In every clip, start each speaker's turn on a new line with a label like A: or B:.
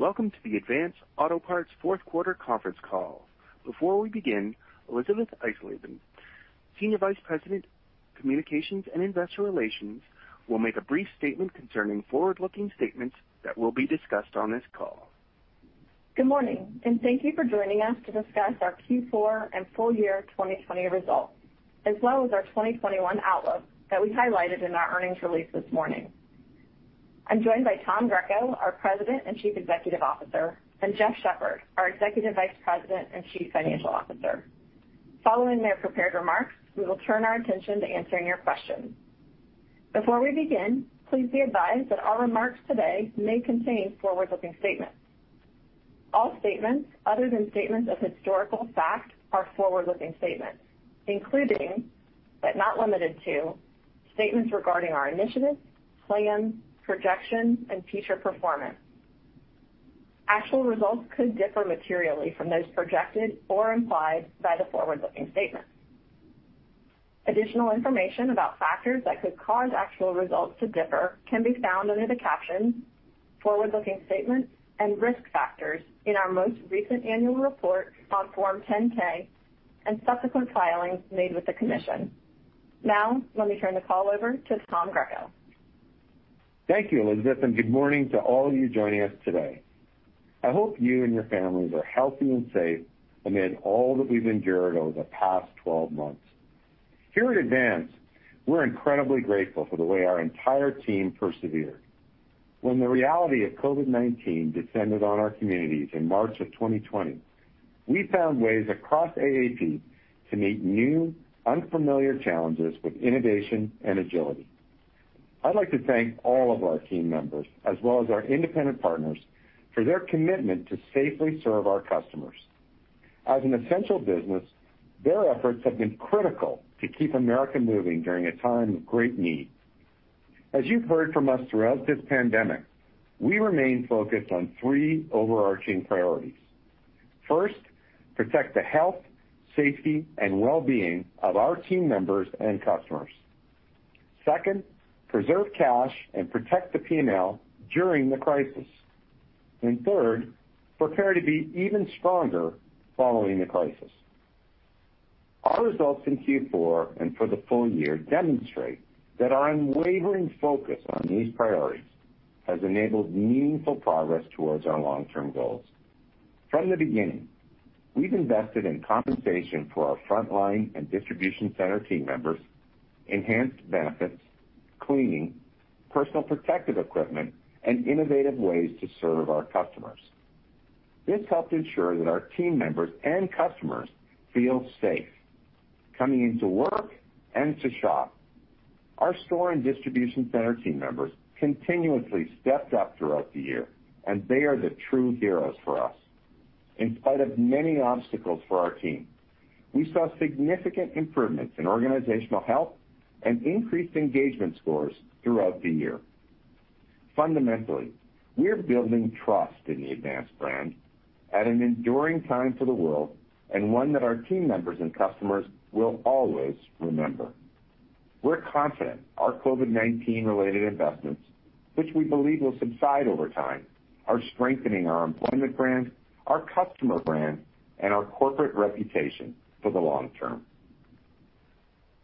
A: Welcome to the Advance Auto Parts fourth quarter conference call. Before we begin, Elisabeth Eisleben, Senior Vice President, Communications and Investor Relations, will make a brief statement concerning forward-looking statements that will be discussed on this call.
B: Good morning, and thank you for joining us to discuss our Q4 and full year 2020 results, as well as our 2021 outlook that we highlighted in our earnings release this morning. I'm joined by Tom Greco, our President and Chief Executive Officer, and Jeff Shepherd, our Executive Vice President and Chief Financial Officer. Following their prepared remarks, we will turn our attention to answering your questions. Before we begin, please be advised that our remarks today may contain forward-looking statements. All statements other than statements of historical fact are forward-looking statements, including, but not limited to, statements regarding our initiatives, plans, projections, and future performance. Actual results could differ materially from those projected or implied by the forward-looking statements. Additional information about factors that could cause actual results to differ can be found under the caption "Forward-Looking Statements and Risk Factors" in our most recent annual report on Form 10-K and subsequent filings made with the commission. Now, let me turn the call over to Tom Greco.
C: Thank you, Elisabeth, and good morning to all of you joining us today. I hope you and your families are healthy and safe amid all that we've endured over the past 12 months. Here at Advance, we're incredibly grateful for the way our entire team persevered. When the reality of COVID-19 descended on our communities in March of 2020, we found ways across AAP to meet new, unfamiliar challenges with innovation and agility. I'd like to thank all of our team members, as well as our independent partners, for their commitment to safely serve our customers. As an essential business, their efforts have been critical to keep America moving during a time of great need. As you've heard from us throughout this pandemic, we remain focused on three overarching priorities. First, protect the health, safety, and wellbeing of our team members and customers. Second, preserve cash and protect the P&L during the crisis. Third, prepare to be even stronger following the crisis. Our results in Q4 and for the full year demonstrate that our unwavering focus on these priorities has enabled meaningful progress towards our long-term goals. From the beginning, we've invested in compensation for our frontline and distribution center team members, enhanced benefits, cleaning, personal protective equipment, and innovative ways to serve our customers. This helped ensure that our team members and customers feel safe coming into work and to shop. Our store and distribution center team members continuously stepped up throughout the year, and they are the true heroes for us. In spite of many obstacles for our team, we saw significant improvements in organizational health and increased engagement scores throughout the year. Fundamentally, we are building trust in the Advance brand at an enduring time for the world and one that our team members and customers will always remember. We're confident our COVID-19 related investments, which we believe will subside over time, are strengthening our employment brand, our customer brand, and our corporate reputation for the long term.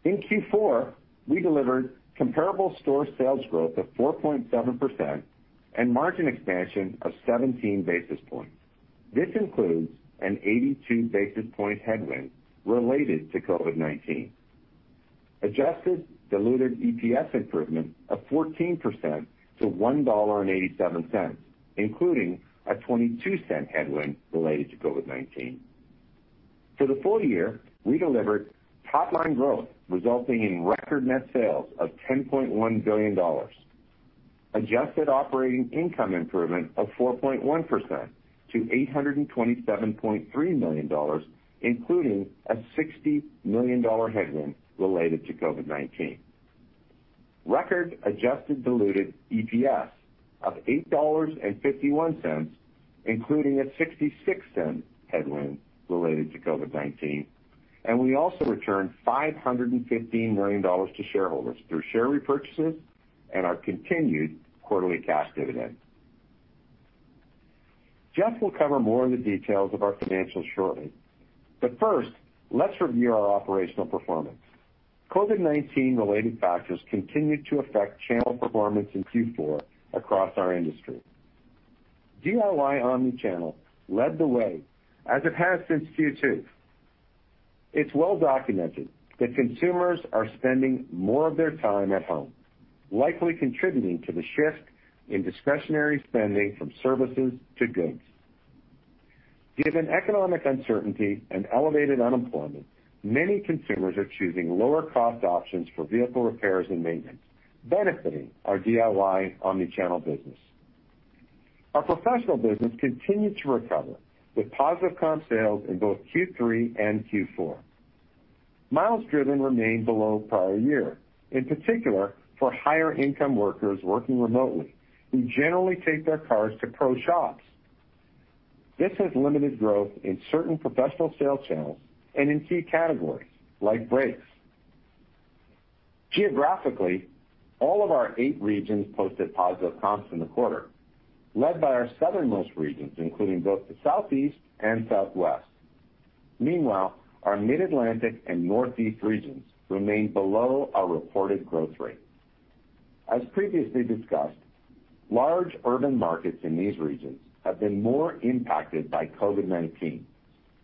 C: In Q4, we delivered comparable store sales growth of 4.7% and margin expansion of 17 basis points. This includes an 82 basis points headwind related to COVID-19. Adjusted diluted EPS improvement of 14% to $1.87, including a $0.22 headwind related to COVID-19. For the full year, we delivered top-line growth resulting in record net sales of $10.1 billion. Adjusted operating income improvement of 4.1% to $827.3 million, including a $60 million headwind related to COVID-19. Record adjusted diluted EPS of $8.51, including a $0.66 headwind related to COVID-19, and we also returned $515 million to shareholders through share repurchases and our continued quarterly cash dividend. Jeff will cover more of the details of our financials shortly, but first, let's review our operational performance. COVID-19 related factors continued to affect channel performance in Q4 across our industry. DIY omni-channel led the way, as it has since Q2. It's well documented that consumers are spending more of their time at home, likely contributing to the shift in discretionary spending from services to goods. Given economic uncertainty and elevated unemployment, many consumers are choosing lower cost options for vehicle repairs and maintenance, benefiting our DIY omni-channel business. Our professional business continued to recover with positive comp sales in both Q3 and Q4. Miles driven remained below prior year, in particular for higher income workers working remotely who generally take their cars to pro shops. This has limited growth in certain professional sales channels and in key categories like brakes. Geographically, all of our eight regions posted positive comps in the quarter, led by our southernmost regions, including both the Southeast and Southwest. Meanwhile, our Mid-Atlantic and Northeast regions remain below our reported growth rate. As previously discussed, large urban markets in these regions have been more impacted by COVID-19,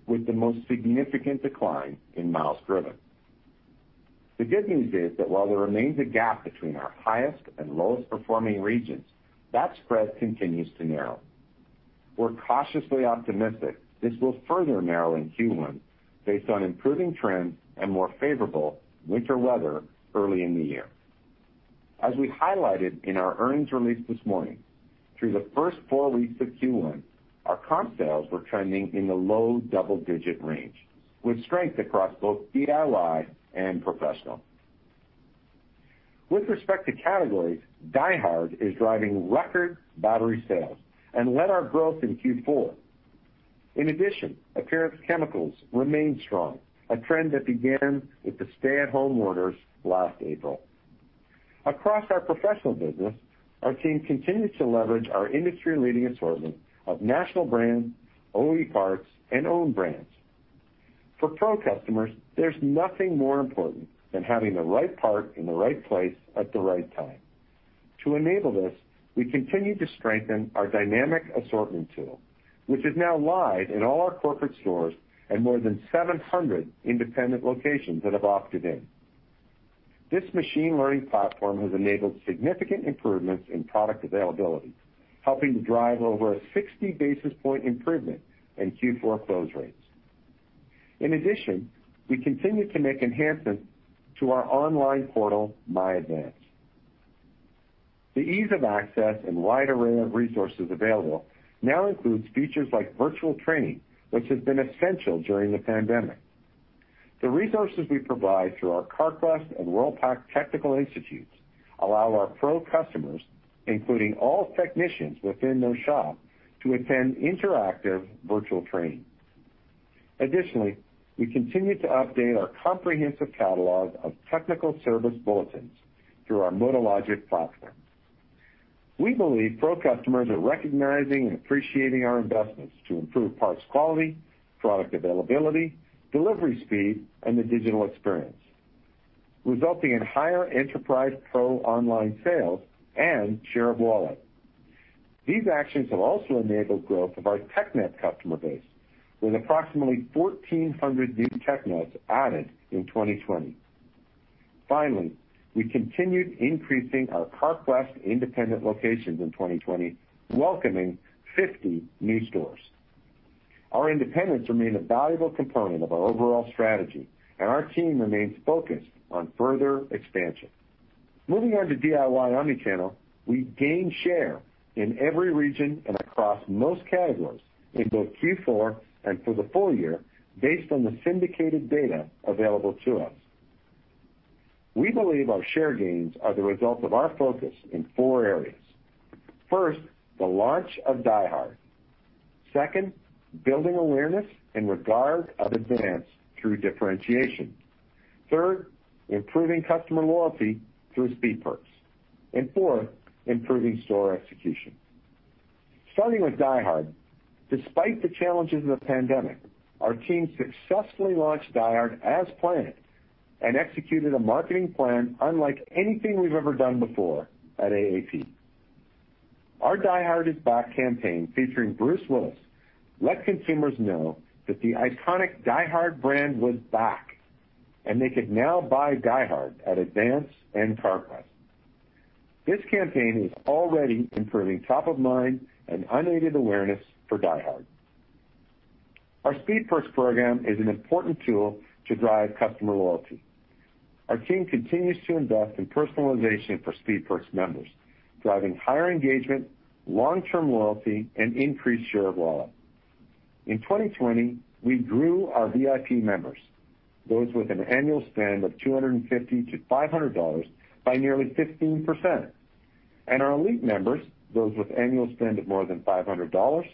C: with the most significant decline in miles driven. The good news is that while there remains a gap between our highest and lowest performing regions, that spread continues to narrow. We're cautiously optimistic this will further narrow in Q1 based on improving trends and more favorable winter weather early in the year. As we highlighted in our earnings release this morning, through the first four weeks of Q1, our comp sales were trending in the low-double-digit range, with strength across both DIY and professional. With respect to categories, DieHard is driving record battery sales and led our growth in Q4. In addition, appearance chemicals remained strong, a trend that began with the stay-at-home orders last April. Across our professional business, our team continued to leverage our industry-leading assortment of national brands, OE parts, and own brands. For pro customers, there's nothing more important than having the right part in the right place at the right time. To enable this, we continue to strengthen our dynamic assortment tool, which is now live in all our corporate stores and more than 700 independent locations that have opted in. This machine learning platform has enabled significant improvements in product availability, helping to drive over a 60 basis point improvement in Q4 close rates. In addition, we continue to make enhancements to our online portal, MyAdvance. The ease of access and wide array of resources available now includes features like virtual training, which has been essential during the pandemic. The resources we provide through our Carquest and Worldpac technical institutes allow our pro customers, including all technicians within those shops, to attend interactive virtual training. Additionally, we continue to update our comprehensive catalog of technical service bulletins through our MotoLogic platform. We believe pro customers are recognizing and appreciating our investments to improve parts quality, product availability, delivery speed, and the digital experience, resulting in higher enterprise pro online sales and share of wallet. These actions have also enabled growth of our TechNet customer base, with approximately 1,400 new TechNets added in 2020. Finally, we continued increasing our Carquest independent locations in 2020, welcoming 50 new stores. Our independents remain a valuable component of our overall strategy, and our team remains focused on further expansion. Moving on to DIY omnichannel, we gained share in every region and across most categories in both Q4 and for the full year based on the syndicated data available to us. We believe our share gains are the result of our focus in four areas. First, the launch of DieHard. Second, building awareness and regard of Advance through differentiation. Third, improving customer loyalty through Speed Perks. And fourth, improving store execution. Starting with DieHard, despite the challenges of the pandemic, our team successfully launched DieHard as planned and executed a marketing plan unlike anything we've ever done before at AAP. Our DieHard is Back campaign featuring Bruce Willis let consumers know that the iconic DieHard brand was back, they could now buy DieHard at Advance and Carquest. This campaign is already improving top of mind and unaided awareness for DieHard. Our Speed Perks program is an important tool to drive customer loyalty. Our team continues to invest in personalization for Speed Perks members, driving higher engagement, long-term loyalty, and increased share of wallet. In 2020, we grew our VIP members, those with an annual spend of $250-$500, by nearly 15%. Our Elite members, those with annual spend of more than $500,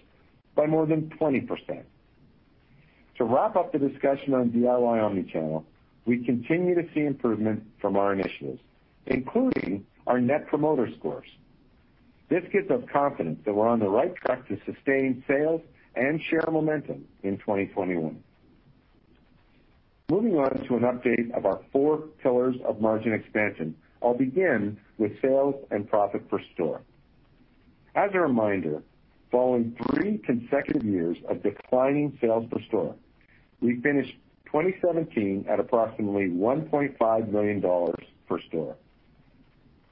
C: by more than 20%. To wrap up the discussion on DIY omnichannel, we continue to see improvement from our initiatives, including our Net Promoter Scores. This gives us confidence that we're on the right track to sustain sales and share momentum in 2021. Moving on to an update of our four pillars of margin expansion, I'll begin with sales and profit per store. As a reminder, following three consecutive years of declining sales per store, we finished 2017 at approximately $1.5 million per store.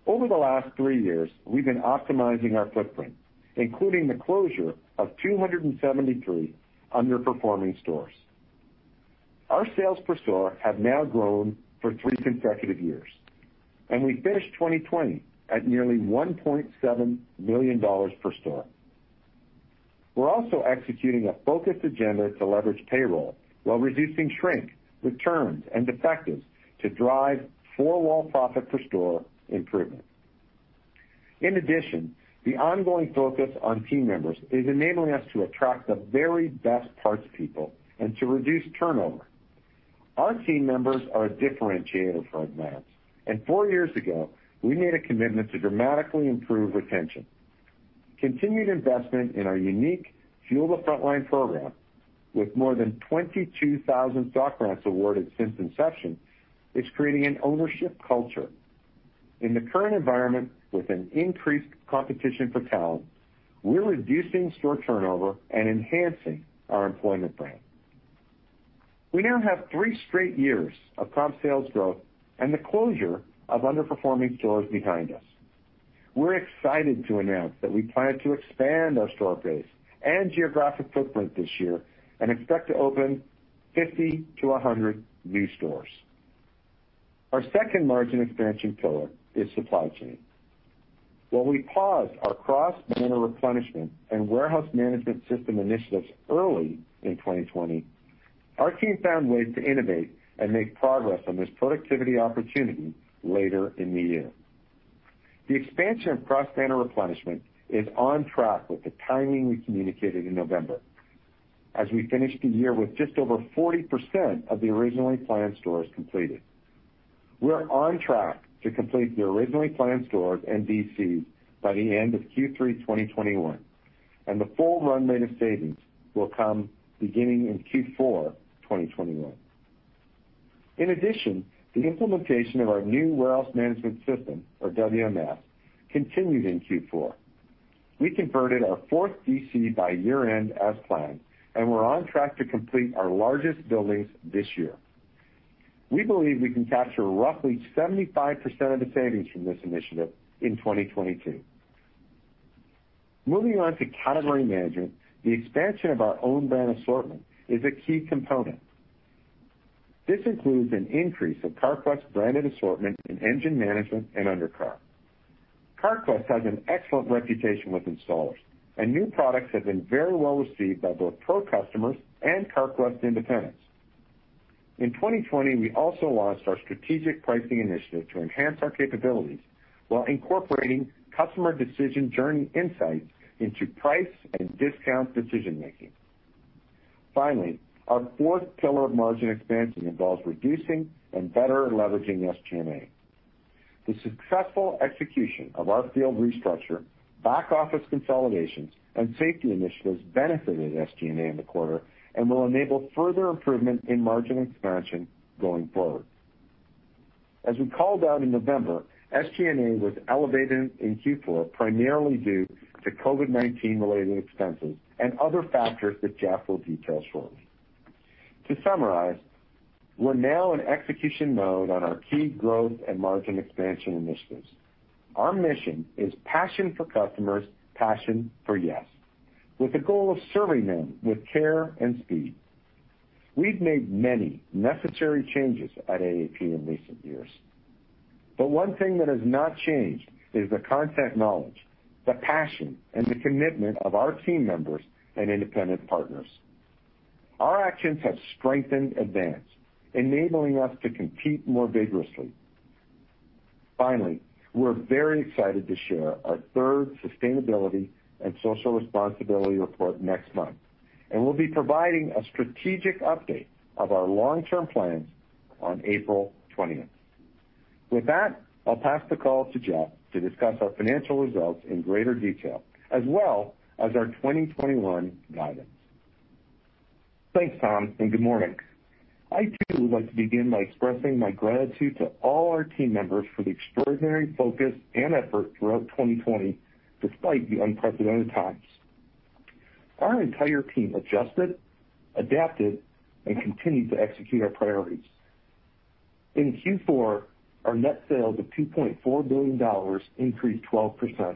C: Over the last three years, we've been optimizing our footprint, including the closure of 273 underperforming stores. Our sales per store have now grown for three consecutive years, and we finished 2020 at nearly $1.7 million per store. We're also executing a focused agenda to leverage payroll while reducing shrink, returns, and defectives to drive four-wall profit per store improvement. The ongoing focus on team members is enabling us to attract the very best parts people and to reduce turnover. Our team members are a differentiator for Advance, four years ago, we made a commitment to dramatically improve retention. Continued investment in our unique Fuel the Frontline program, with more than 22,000 stock grants awarded since inception, is creating an ownership culture. In the current environment, with an increased competition for talent, we're reducing store turnover and enhancing our employment brand. We now have three straight years of comp sales growth and the closure of underperforming stores behind us. We're excited to announce that we plan to expand our store base and geographic footprint this year and expect to open 50 to 100 new stores. Our second margin expansion pillar is supply chain. While we paused our cross-banner replenishment and warehouse management system initiatives early in 2020, our team found ways to innovate and make progress on this productivity opportunity later in the year. The expansion of cross-banner replenishment is on track with the timing we communicated in November as we finished the year with just over 40% of the originally planned stores completed. We're on track to complete the originally planned stores and DCs by the end of Q3 2021, and the full run rate of savings will come beginning in Q4 2021. In addition, the implementation of our new warehouse management system, or WMS, continued in Q4. We converted our fourth DC by year-end as planned, and we're on track to complete our largest buildings this year. We believe we can capture roughly 75% of the savings from this initiative in 2022. Moving on to category management, the expansion of our own brand assortment is a key component. This includes an increase of Carquest branded assortment in engine management and undercar. Carquest has an excellent reputation with installers, and new products have been very well received by both pro customers and Carquest independents. In 2020, we also launched our strategic pricing initiative to enhance our capabilities while incorporating customer decision journey insights into price and discount decision-making. Finally, our fourth pillar of margin expansion involves reducing and better leveraging SG&A. The successful execution of our field restructure, back-office consolidations, and safety initiatives benefited SG&A in the quarter and will enable further improvement in margin expansion going forward. As we called out in November, SG&A was elevated in Q4 primarily due to COVID-19 related expenses and other factors that Jeff will detail shortly. To summarize, we're now in execution mode on our key growth and margin expansion initiatives. Our mission is passion for customers, passion for yes, with the goal of serving them with care and speed. We've made many necessary changes at AAP in recent years. One thing that has not changed is the content knowledge, the passion, and the commitment of our team members and independent partners. Our actions have strengthened Advance, enabling us to compete more vigorously. Finally, we're very excited to share our third sustainability and social responsibility report next month, and we'll be providing a strategic update of our long-term plans on April 20th. With that, I'll pass the call to Jeff to discuss our financial results in greater detail, as well as our 2021 guidance.
D: Thanks, Tom, and good morning. I too would like to begin by expressing my gratitude to all our team members for the extraordinary focus and effort throughout 2020, despite the unprecedented times. Our entire team adjusted, adapted, and continued to execute our priorities. In Q4, our net sales of $2.4 billion increased 12%.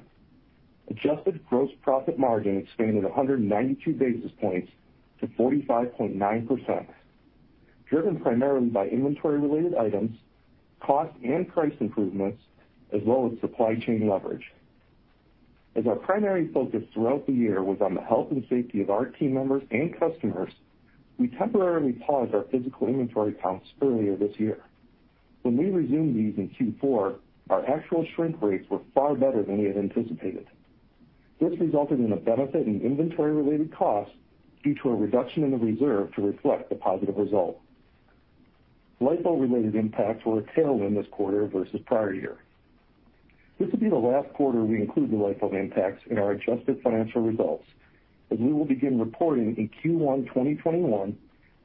D: Adjusted gross profit margin expanded 192 basis points to 45.9%, driven primarily by inventory-related items, cost and price improvements, as well as supply chain leverage. As our primary focus throughout the year was on the health and safety of our team members and customers, we temporarily paused our physical inventory counts earlier this year. When we resumed these in Q4, our actual shrink rates were far better than we had anticipated. This resulted in a benefit in inventory-related costs due to a reduction in the reserve to reflect the positive result. LIFO-related impacts were a tailwind this quarter versus prior year. This will be the last quarter we include the LIFO impacts in our adjusted financial results, as we will begin reporting in Q1 2021,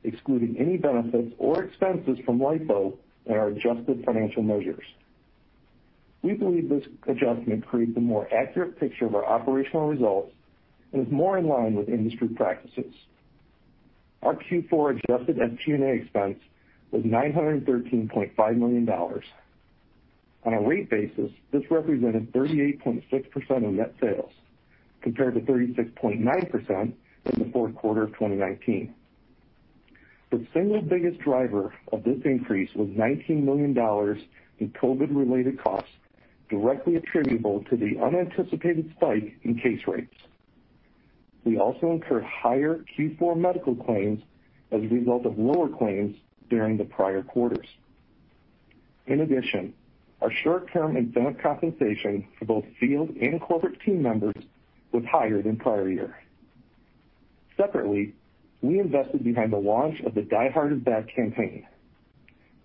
D: excluding any benefits or expenses from LIFO in our adjusted financial measures. We believe this adjustment creates a more accurate picture of our operational results and is more in line with industry practices. Our Q4 adjusted SG&A expense was $913.5 million. On a rate basis, this represented 38.6% of net sales compared to 36.9% in the fourth quarter of 2019. The single biggest driver of this increase was $19 million in COVID-related costs directly attributable to the unanticipated spike in case rates. We also incurred higher Q4 medical claims as a result of lower claims during the prior quarters. In addition, our short-term incentive compensation for both field and corporate team members was higher than prior year. Separately, we invested behind the launch of the #DieHardisBack campaign.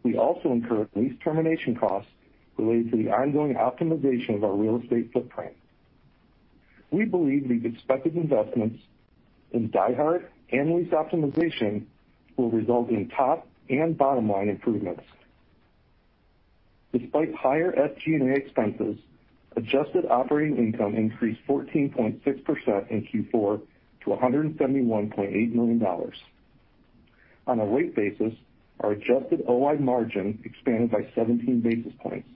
D: We also incurred lease termination costs related to the ongoing optimization of our real estate footprint. We believe these expected investments in DieHard and lease optimization will result in top and bottom-line improvements. Despite higher SG&A expenses, adjusted operating income increased 14.6% in Q4 to $171.8 million. On a rate basis, our adjusted OI margin expanded by 17 basis points.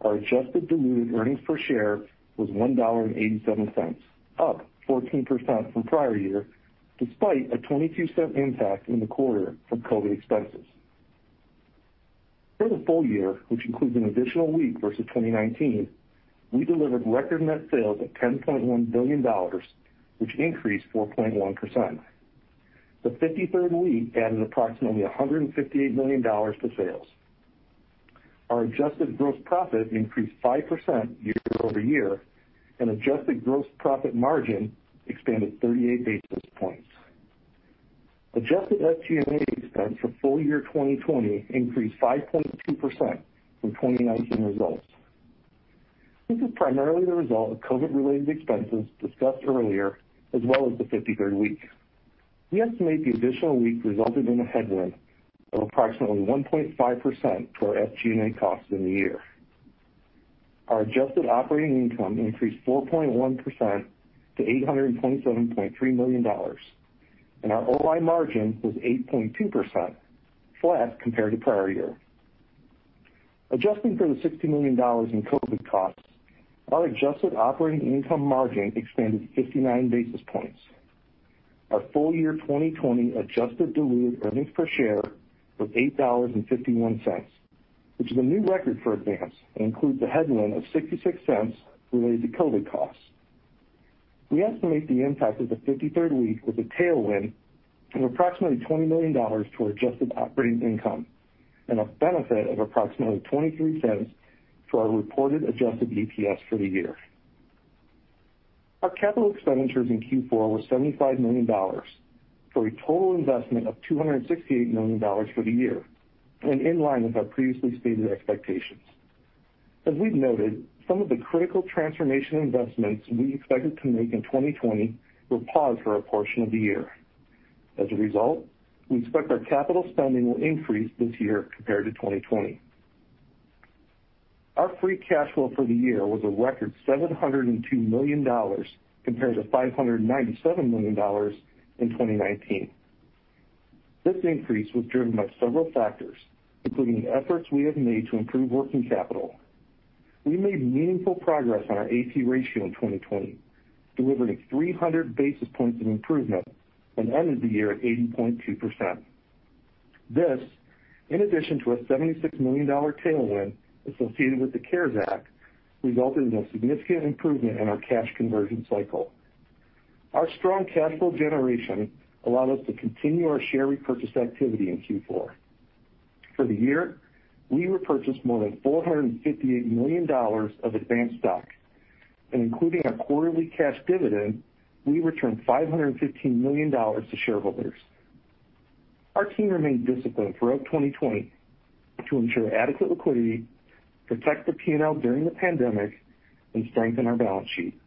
D: Our adjusted diluted earnings per share was $1.87, up 14% from prior year, despite a $0.22 impact in the quarter from COVID expenses. For the full year, which includes an additional week versus 2019, we delivered record net sales of $10.1 billion, which increased 4.1%. The 53rd week added approximately $158 million to sales. Our adjusted gross profit increased 5% year-over-year, and adjusted gross profit margin expanded 38 basis points. Adjusted SG&A expense for full year 2020 increased 5.2% from 2019 results. This is primarily the result of COVID related expenses discussed earlier, as well as the 53rd week. We estimate the additional week resulted in a headwind of approximately 1.5% to our SG&A costs in the year. Our adjusted operating income increased 4.1% to $827.3 million, and our OI margin was 8.2%, flat compared to prior year. Adjusting for the $60 million in COVID costs, our adjusted operating income margin expanded 59 basis points. Our full year 2020 adjusted diluted EPS was $8.51, which is a new record for Advance and includes a headwind of $0.66 related to COVID costs. We estimate the impact of the 53rd week with a tailwind of approximately $20 million to our adjusted operating income and a benefit of approximately $0.23 for our reported adjusted EPS for the year. Our CapEx in Q4 were $75 million for a total investment of $268 million for the year, and in line with our previously stated expectations. As we've noted, some of the critical transformation investments we expected to make in 2020 were paused for a portion of the year. As a result, we expect our capital spending will increase this year compared to 2020. Our free cash flow for the year was a record $702 million compared to $597 million in 2019. This increase was driven by several factors, including the efforts we have made to improve working capital. We made meaningful progress on our AP ratio in 2020, delivering 300 basis points of improvement and ended the year at 80.2%. This, in addition to a $76 million tailwind associated with the CARES Act, resulted in a significant improvement in our cash conversion cycle. Our strong cash flow generation allowed us to continue our share repurchase activity in Q4. For the year, we repurchased more than $458 million of Advance stock, and including our quarterly cash dividend, we returned $515 million to shareholders. Our team remained disciplined throughout 2020 to ensure adequate liquidity, protect the P&L during the pandemic, and strengthen our balance sheet.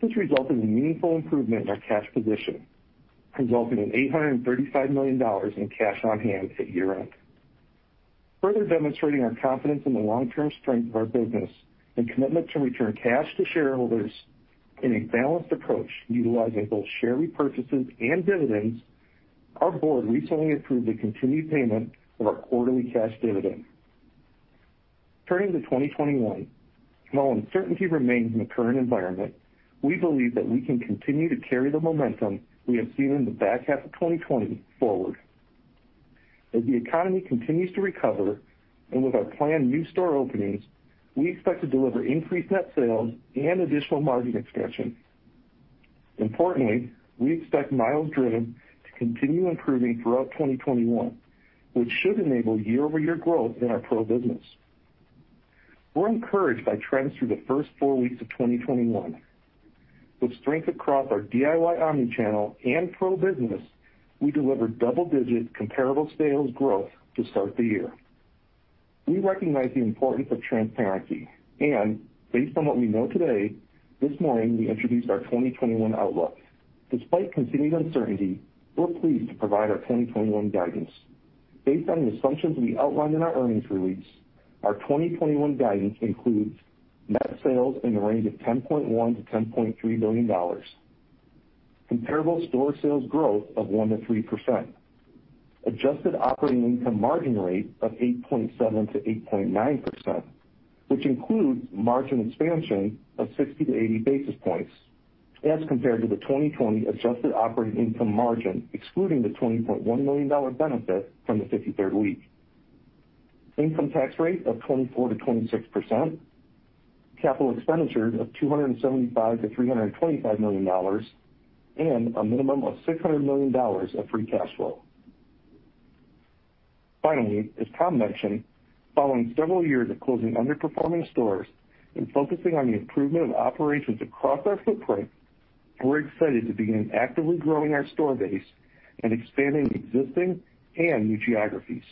D: This resulted in meaningful improvement in our cash position, resulting in $835 million in cash on hand at year-end. Further demonstrating our confidence in the long-term strength of our business and commitment to return cash to shareholders in a balanced approach utilizing both share repurchases and dividends, our board recently approved the continued payment of our quarterly cash dividend. Turning to 2021, while uncertainty remains in the current environment, we believe that we can continue to carry the momentum we have seen in the back half of 2020 forward. As the economy continues to recover, and with our planned new store openings, we expect to deliver increased net sales and additional margin expansion. Importantly, we expect miles driven to continue improving throughout 2021, which should enable year-over-year growth in our pro business. We're encouraged by trends through the first four weeks of 2021. With strength across our DIY omnichannel and pro business, we delivered double-digit comparable sales growth to start the year. We recognize the importance of transparency and based on what we know today, this morning, we introduced our 2021 outlook. Despite continued uncertainty, we're pleased to provide our 2021 guidance. Based on the assumptions we outlined in our earnings release, our 2021 guidance includes net sales in the range of $10.1 billion-$10.3 billion, comparable store sales growth of 1%-3%, adjusted operating income margin rate of 8.7%-8.9%, which includes margin expansion of 60-80 basis points as compared to the 2020 adjusted operating income margin, excluding the $20.1 million benefit from the 53rd week. Income tax rate of 24%-26%, capital expenditures of $275 million-$325 million, and a minimum of $600 million of free cash flow. As Tom mentioned, following several years of closing underperforming stores and focusing on the improvement of operations across our footprint, we're excited to begin actively growing our store base and expanding existing and new geographies.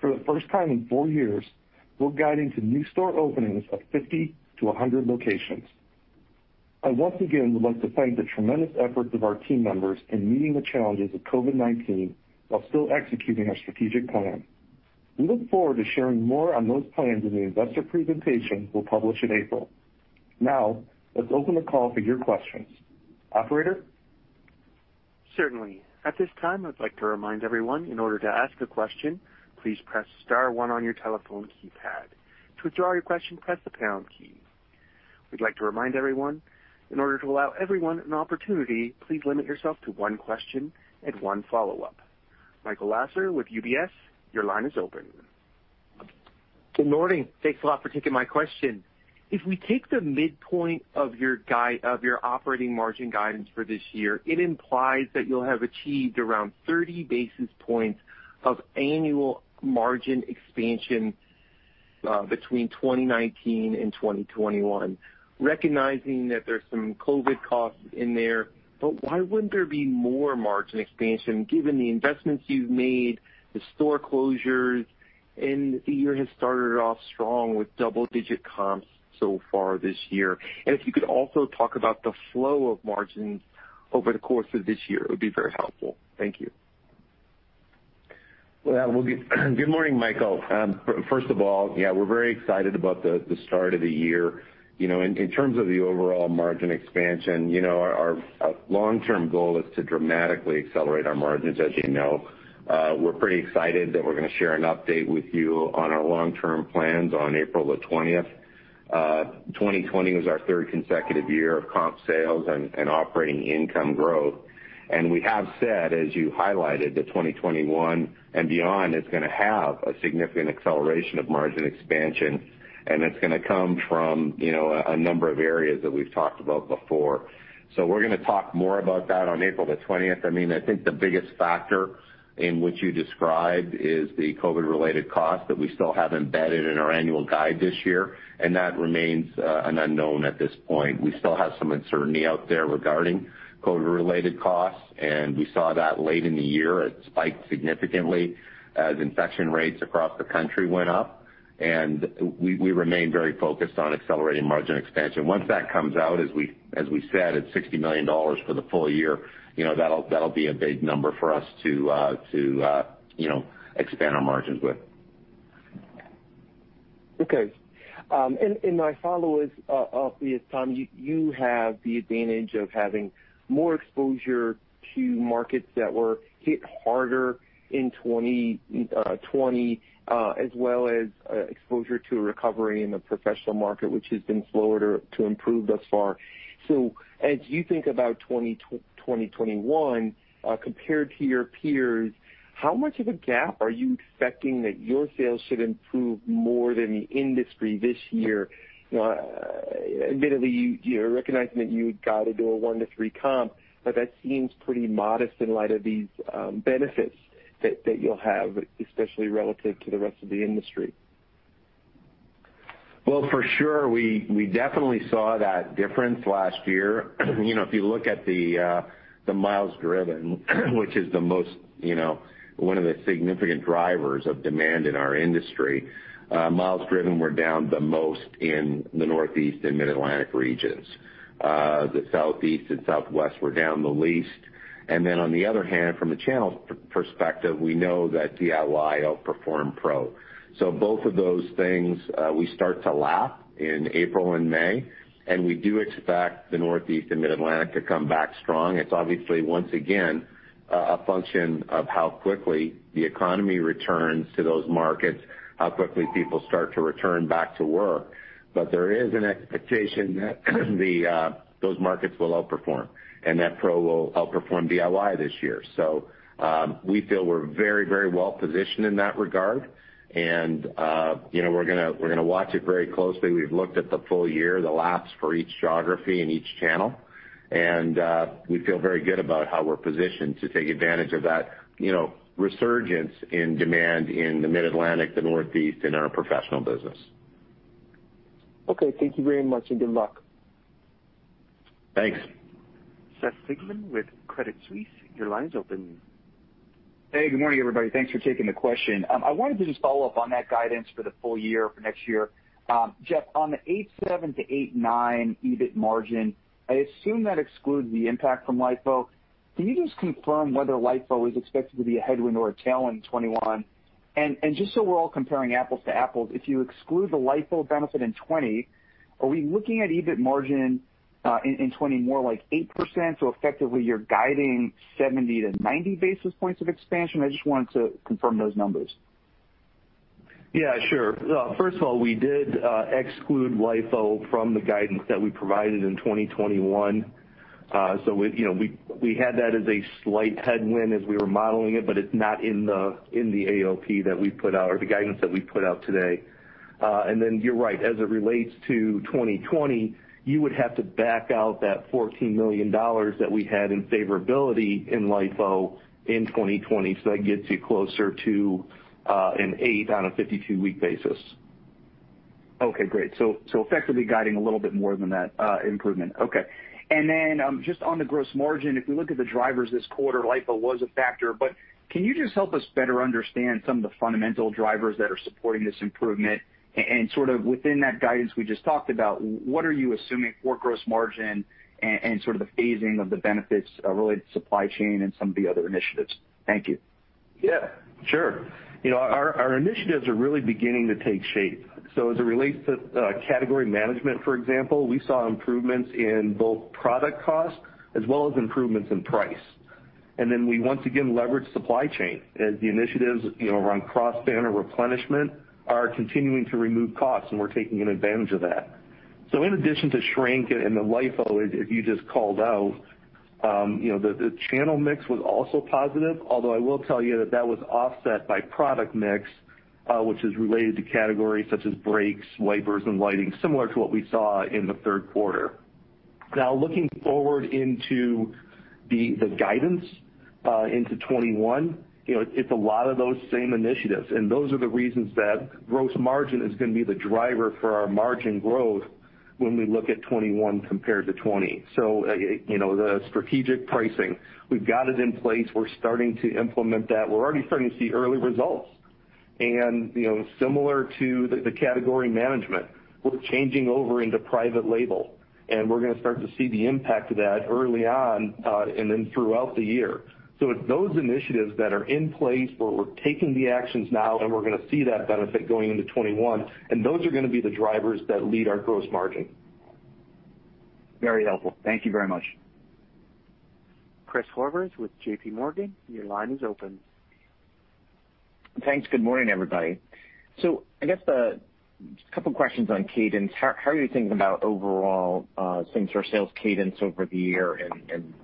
D: For the first time in four years, we're guiding to new store openings of 50-100 locations. I once again would like to thank the tremendous efforts of our team members in meeting the challenges of COVID-19 while still executing our strategic plan. We look forward to sharing more on those plans in the investor presentation we'll publish in April. Let's open the call for your questions. Operator?
A: Certainly. At this time, I'd like to remind everyone, in order to ask a question, please press star one on your telephone keypad. To withdraw your question, press the pound key. We'd like to remind everyone, in order to allow everyone an opportunity, please limit yourself to one question and one follow-up. Michael Lasser with UBS, your line is open.
E: Good morning. Thanks a lot for taking my question. If we take the midpoint of your operating margin guidance for this year, it implies that you'll have achieved around 30 basis points of annual margin expansion between 2019 and 2021. Why wouldn't there be more margin expansion given the investments you've made, the store closures, and the year has started off strong with double-digit comps so far this year? If you could also talk about the flow of margins over the course of this year, it would be very helpful. Thank you.
C: Well, good morning, Michael. First of all, yeah, we're very excited about the start of the year. In terms of the overall margin expansion, our long-term goal is to dramatically accelerate our margins, as you know. We're pretty excited that we're going to share an update with you on our long-term plans on April the 20th. 2020 was our third consecutive year of comp sales and operating income growth. We have said, as you highlighted, that 2021 and beyond is going to have a significant acceleration of margin expansion, and it's going to come from a number of areas that we've talked about before. We're going to talk more about that on April the 20th. I think the biggest factor in what you described is the COVID-related cost that we still have embedded in our annual guide this year, and that remains an unknown at this point. We still have some uncertainty out there regarding COVID-related costs, and we saw that late in the year. It spiked significantly as infection rates across the country went up, and we remain very focused on accelerating margin expansion. Once that comes out, as we said, it's $60 million for the full year. That'll be a big number for us to expand our margins with.
E: Okay. My follow-up is, Tom, you have the advantage of having more exposure to markets that were hit harder in 2020, as well as exposure to a recovery in the professional market, which has been slower to improve thus far. As you think about 2021, compared to your peers, how much of a gap are you expecting that your sales should improve more than the industry this year? Admittedly, you're recognizing that you've got to do a 1%-3% comp, but that seems pretty modest in light of these benefits that you'll have, especially relative to the rest of the industry.
C: Well, for sure, we definitely saw that difference last year. If you look at the miles driven, which is one of the significant drivers of demand in our industry, miles driven were down the most in the Northeast and Mid-Atlantic regions. The Southeast and Southwest were down the least. On the other hand, from a channel perspective, we know that DIY outperformed Pro. Both of those things, we start to lap in April and May, and we do expect the Northeast and Mid-Atlantic to come back strong. It's obviously, once again, a function of how quickly the economy returns to those markets, how quickly people start to return back to work. There is an expectation that those markets will outperform and that pro will outperform DIY this year. We feel we're very well positioned in that regard. We're going to watch it very closely. We've looked at the full year, the laps for each geography and each channel, and we feel very good about how we're positioned to take advantage of that resurgence in demand in the Mid-Atlantic, the Northeast, and our professional business.
E: Okay. Thank you very much, and good luck.
C: Thanks.
A: Seth Sigman with Credit Suisse, your line is open.
F: Hey, good morning, everybody. Thanks for taking the question. I wanted to just follow up on that guidance for the full year for next year. Jeff, on the 8.7%-8.9% EBIT margin, I assume that excludes the impact from LIFO. Can you just confirm whether LIFO is expected to be a headwind or a tailwind in 2021? Just so we're all comparing apples to apples, if you exclude the LIFO benefit in 2020, are we looking at EBIT margin in 2020 more like 8%, so effectively you're guiding 70-90 basis points of expansion? I just wanted to confirm those numbers.
D: Sure. First of all, we did exclude LIFO from the guidance that we provided in 2021. We had that as a slight headwind as we were modeling it, but it's not in the AOP that we put out or the guidance that we put out today. You're right, as it relates to 2020, you would have to back out that $14 million that we had in favorability in LIFO in 2020. That gets you closer to 8% on a 52-week basis.
F: Okay, great. Effectively guiding a little bit more than that improvement. Okay. Just on the gross margin, if we look at the drivers this quarter, LIFO was a factor, but can you just help us better understand some of the fundamental drivers that are supporting this improvement and sort of within that guidance we just talked about, what are you assuming for gross margin and sort of the phasing of the benefits related to supply chain and some of the other initiatives? Thank you.
D: Yeah, sure. Our initiatives are really beginning to take shape. As it relates to category management, for example, we saw improvements in both product cost as well as improvements in price. Then we once again leveraged supply chain as the initiatives around cross-banner replenishment are continuing to remove costs, and we're taking an advantage of that. In addition to shrink and the LIFO, as you just called out, the channel mix was also positive, although I will tell you that was offset by product mix, which is related to categories such as brakes, wipers, and lighting, similar to what we saw in the third quarter. Looking forward into the guidance into 2021, it's a lot of those same initiatives, and those are the reasons that gross margin is going to be the driver for our margin growth when we look at 2021 compared to 2020. The strategic pricing, we've got it in place. We're starting to implement that. We're already starting to see early results. Similar to the category management, we're changing over into private label, and we're going to start to see the impact of that early on and then throughout the year. It's those initiatives that are in place where we're taking the actions now and we're going to see that benefit going into 2021, and those are going to be the drivers that lead our gross margin.
F: Very helpful. Thank you very much.
A: Chris Horvers with JPMorgan, your line is open.
G: Thanks. Good morning, everybody. I guess a couple questions on cadence. How are you thinking about overall same-store sales cadence over the year and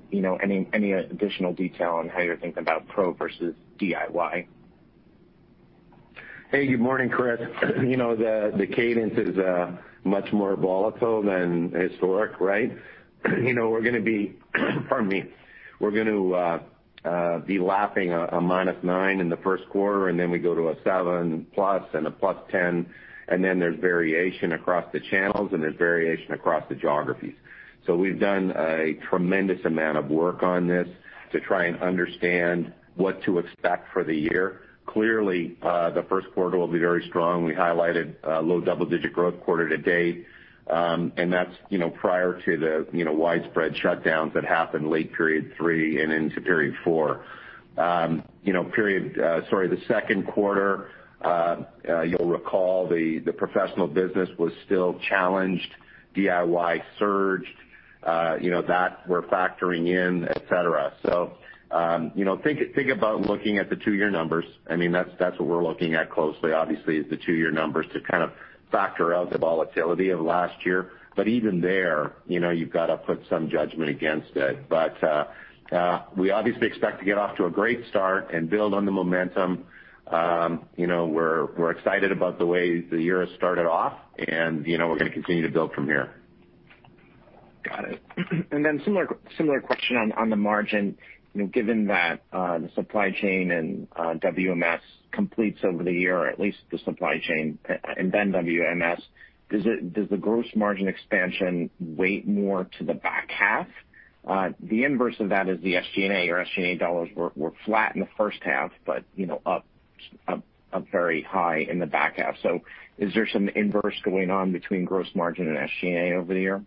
G: any additional detail on how you're thinking about Pro versus DIY?
C: Hey, good morning, Chris. The cadence is much more volatile than historic, right? We're going to be pardon me. We're going to be lapping a minus nine in the first quarter, and then we go to a 7%+ and a +10%, and then there's variation across the channels and there's variation across the geographies. We've done a tremendous amount of work on this to try and understand what to expect for the year. Clearly, the first quarter will be very strong. We highlighted low double-digit growth quarter to date, and that's prior to the widespread shutdowns that happened late period three and into period four. The second quarter, you'll recall the professional business was still challenged. DIY surged. That we're factoring in, et cetera. Think about looking at the two-year numbers. That's what we're looking at closely, obviously, is the two-year numbers to kind of factor out the volatility of last year. Even there, you've got to put some judgment against it. We obviously expect to get off to a great start and build on the momentum. We're excited about the way the year has started off, and we're going to continue to build from here.
G: Got it. Similar question on the margin. Given that the supply chain and WMS completes over the year, or at least the supply chain and then WMS, does the gross margin expansion weight more to the back half? The inverse of that is the SG&A. Your SG&A dollars were flat in the first half, but up very high in the back half. Is there some inverse going on between gross margin and SG&A over the year?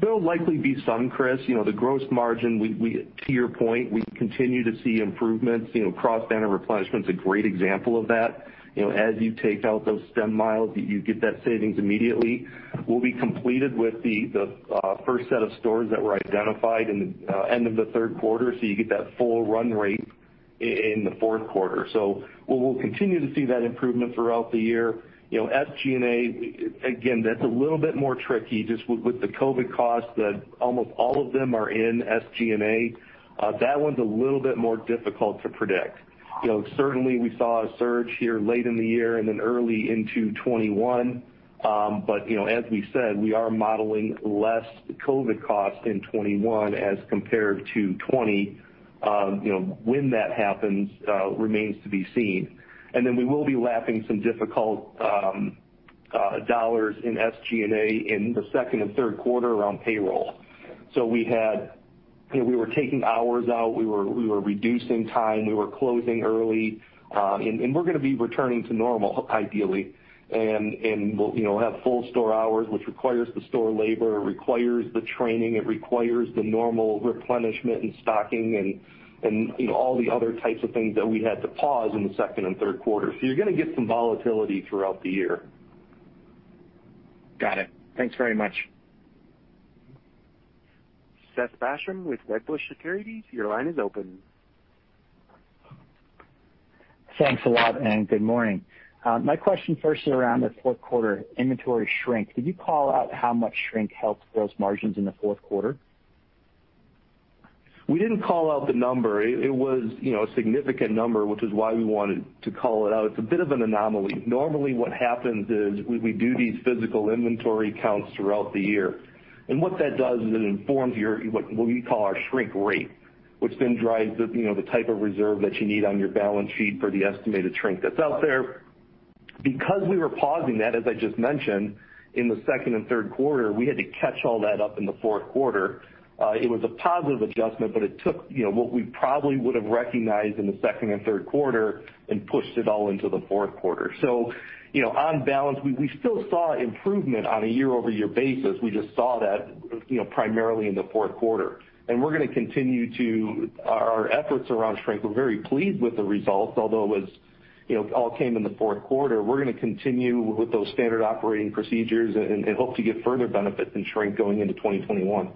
D: There'll likely be some, Chris. The gross margin, to your point, we continue to see improvements. Cross-banner replenishment's a great example of that. As you take out those stem miles, you get that savings immediately. We'll be completed with the first set of stores that were identified in the end of the third quarter, so you get that full run rate in the fourth quarter. We'll continue to see that improvement throughout the year. SG&A, again, that's a little bit more tricky just with the COVID costs that almost all of them are in SG&A. That one's a little bit more difficult to predict. Certainly, we saw a surge here late in the year and then early into 2021. As we said, we are modeling less COVID cost in 2021 as compared to 2020. When that happens remains to be seen. We will be lapping some difficult dollars in SG&A in the second and third quarter around payroll. We were taking hours out. We were reducing time. We were closing early. We're going to be returning to normal, ideally, and we'll have full store hours, which requires the store labor, it requires the training, it requires the normal replenishment and stocking and all the other types of things that we had to pause in the second and third quarter. You're going to get some volatility throughout the year.
G: Got it. Thanks very much.
A: Seth Basham with Wedbush Securities, your line is open.
H: Thanks a lot, and good morning. My question first is around the fourth quarter inventory shrink. Could you call out how much shrink helped gross margins in the fourth quarter?
D: We didn't call out the number. It was a significant number, which is why we wanted to call it out. It's a bit of an anomaly. Normally, what happens is we do these physical inventory counts throughout the year, and what that does is it informs what we call our shrink rate, which then drives the type of reserve that you need on your balance sheet for the estimated shrink that's out there. Because we were pausing that, as I just mentioned, in the second and third quarter, we had to catch all that up in the fourth quarter. It was a positive adjustment, but it took what we probably would have recognized in the second and third quarter and pushed it all into the fourth quarter. On balance, we still saw improvement on a year-over-year basis. We just saw that primarily in the fourth quarter and we're going to continue our efforts around shrink. We're very pleased with the results, although it all came in the fourth quarter. We're going to continue with those standard operating procedures and hope to get further benefits in shrink going into 2021.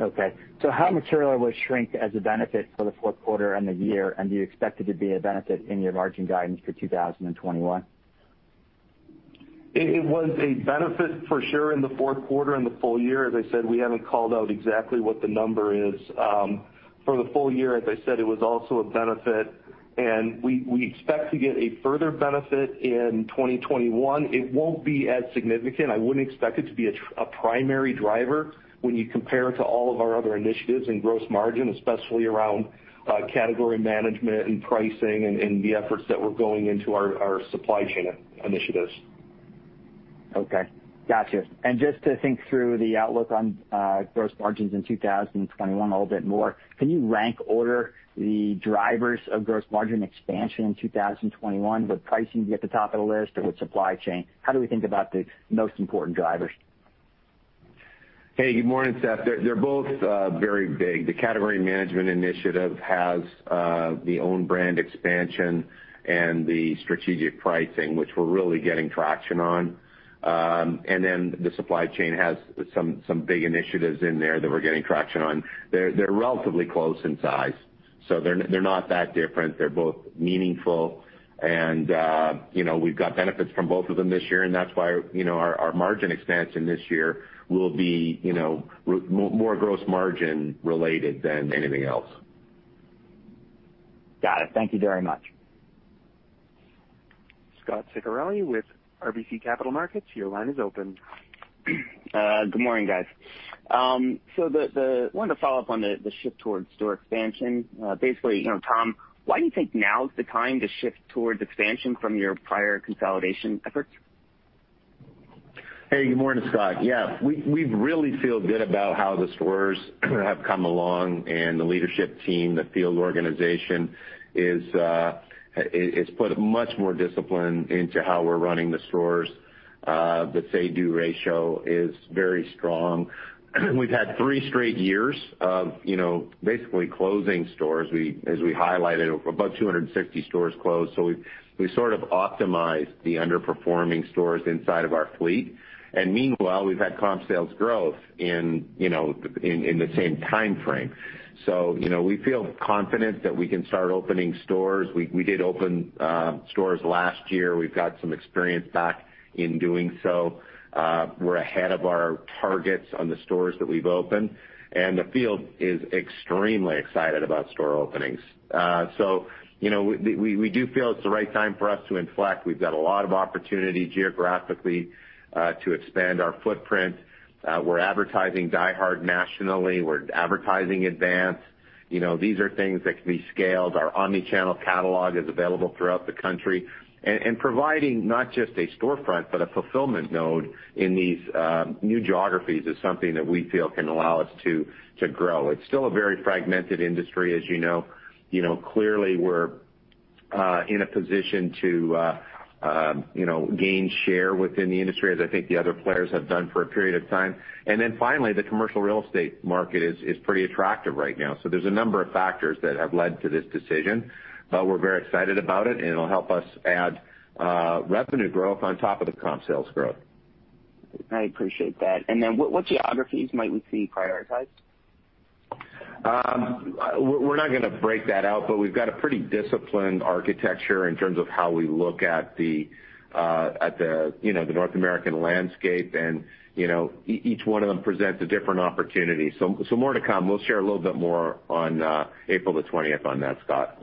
H: Okay, how material was shrink as a benefit for the fourth quarter and the year? Do you expect it to be a benefit in your margin guidance for 2021?
D: It was a benefit for sure in the fourth quarter and the full year. As I said, we haven't called out exactly what the number is. For the full year, as I said, it was also a benefit, and we expect to get a further benefit in 2021. It won't be as significant. I wouldn't expect it to be a primary driver when you compare it to all of our other initiatives in gross margin, especially around category management and pricing and the efforts that were going into our supply chain initiatives.
H: Okay, got you. Just to think through the outlook on gross margins in 2021 a little bit more, can you rank order the drivers of gross margin expansion in 2021? Would pricing be at the top of the list or would supply chain? How do we think about the most important drivers?
C: Hey, good morning, Seth. They're both very big. The category management initiative has the own brand expansion and the strategic pricing, which we're really getting traction on. The supply chain has some big initiatives in there that we're getting traction on. They're relatively close in size, so they're not that different. They're both meaningful, and we've got benefits from both of them this year, and that's why our margin expansion this year will be more gross margin related than anything else.
H: Got it. Thank you very much.
A: Scot Ciccarelli with RBC Capital Markets, your line is open.
I: Good morning, guys. I wanted to follow up on the shift towards store expansion. Basically, Tom, why do you think now is the time to shift towards expansion from your prior consolidation efforts?
C: Hey, good morning, Scot. Yeah, we really feel good about how the stores have come along and the leadership team, the field organization has put much more discipline into how we're running the stores. The say to do ratio is very strong. We've had three straight years of basically closing stores. As we highlighted, about 260 stores closed. We sort of optimized the underperforming stores inside of our fleet. Meanwhile, we've had comp sales growth in the same time frame. We feel confident that we can start opening stores. We did open stores last year. We've got some experience back in doing so. We're ahead of our targets on the stores that we've opened, and the field is extremely excited about store openings. We do feel it's the right time for us to inflect. We've got a lot of opportunity geographically to expand our footprint. We're advertising DieHard nationally. We're advertising Advance. These are things that can be scaled. Our omni-channel catalog is available throughout the country, and providing not just a storefront, but a fulfillment node in these new geographies is something that we feel can allow us to grow. It's still a very fragmented industry as you know. Clearly, we're in a position to gain share within the industry, as I think the other players have done for a period of time. Finally, the commercial real estate market is pretty attractive right now. There's a number of factors that have led to this decision, but we're very excited about it, and it'll help us add revenue growth on top of the comp sales growth.
I: I appreciate that. What geographies might we see prioritized?
C: We're not going to break that out, but we've got a pretty disciplined architecture in terms of how we look at the North American landscape, and each one of them presents a different opportunity. More to come. We'll share a little bit more on April the 20th on that, Scot.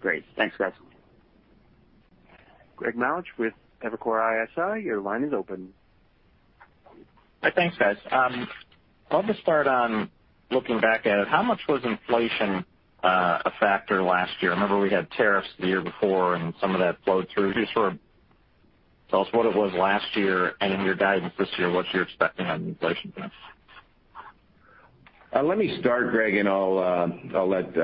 I: Great. Thanks, guys.
A: Greg Melich with Evercore ISI, your line is open.
J: Thanks, guys. I'll just start on looking back at it. How much was inflation a factor last year? I remember we had tariffs the year before and some of that flowed through. Just sort of tell us what it was last year and in your guidance this year, what you're expecting on inflation.
C: Let me start, Greg, and I'll let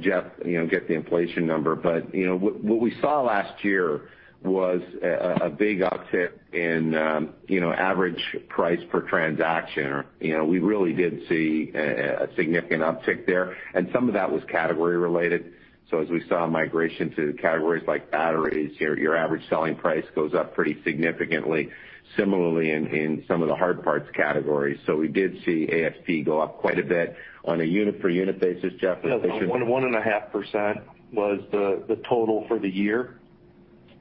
C: Jeff get the inflation number. What we saw last year was a big uptick in average price per transaction. We really did see a significant uptick there, and some of that was category related. As we saw migration to categories like batteries, your average selling price goes up pretty significantly. Similarly, in some of the hard parts categories. We did see ASP go up quite a bit on a unit per unit basis. Jeff, inflation-
D: 1.5% was the total for the year.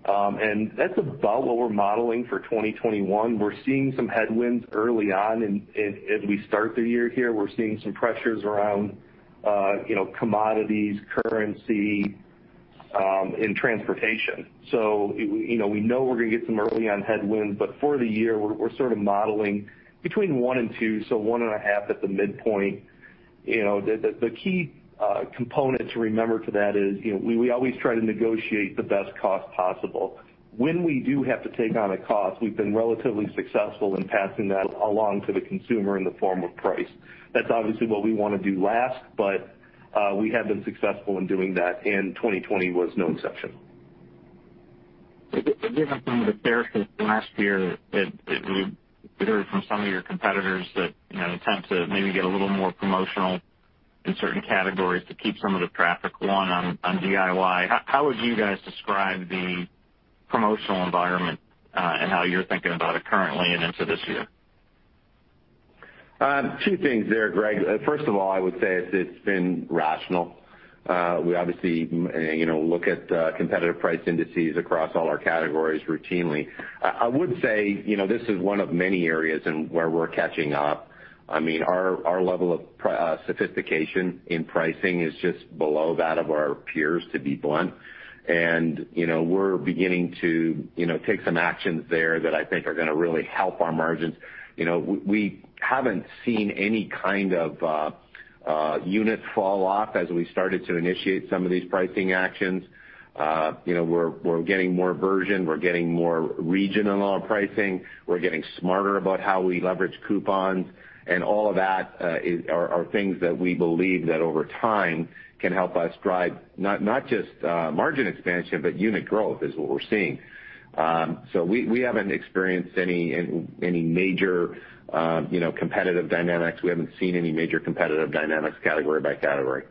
D: That's about what we're modeling for 2021. We're seeing some headwinds early on as we start the year here. We're seeing some pressures around commodities, currency, and transportation. We know we're going to get some early on headwinds. For the year, we're sort of modeling between 1% and 2%, so 1.5% at the midpoint. The key component to remember to that is, we always try to negotiate the best cost possible. When we do have to take on a cost, we've been relatively successful in passing that along to the consumer in the form of price. That's obviously what we want to do last, but we have been successful in doing that, and 2020 was no exception.
J: Given some of the bearishness last year that we heard from some of your competitors that attempt to maybe get a little more promotional in certain categories to keep some of the traffic on DIY, how would you guys describe the promotional environment and how you're thinking about it currently and into this year?
C: Two things there, Greg. First of all, I would say it's been rational. We obviously look at competitive price indices across all our categories routinely. I would say, this is one of many areas where we're catching up. Our level of sophistication in pricing is just below that of our peers, to be blunt. We're beginning to take some actions there that I think are going to really help our margins. We haven't seen any kind of unit fall off as we started to initiate some of these pricing actions. We're getting more versioned, we're getting more regional on our pricing. We're getting smarter about how we leverage coupons and all of that are things that we believe that over time can help us drive not just margin expansion, but unit growth is what we're seeing. We haven't experienced any major competitive dynamics. We haven't seen any major competitive dynamics category by category.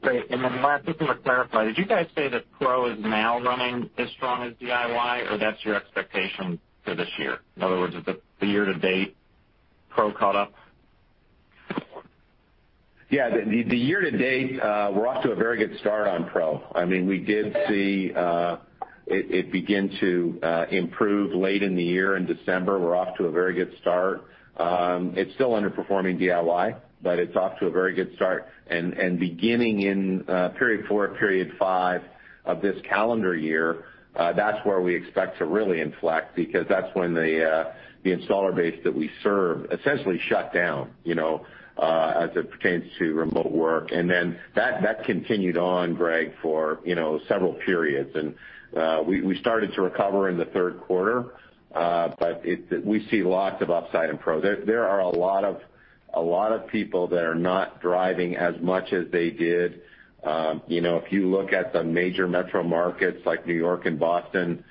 J: Great. Last, just want to clarify, did you guys say that Pro is now running as strong as DIY or that's your expectation for this year? In other words, is the year-to-date Pro caught up?
C: Yeah. The year-to-date, we're off to a very good start on Pro. We did see it begin to improve late in the year in December. We're off to a very good start. It's still underperforming DIY, but it's off to a very good start. Beginning in period four, period five of this calendar year, that's where we expect to really inflect because that's when the installer base that we serve essentially shut down as it pertains to remote work. Then that continued on, Greg, for several periods. We started to recover in the third quarter, but we see lots of upside in Pro. There are a lot of people that are not driving as much as they did. If you look at the major metro markets like New York and Boston,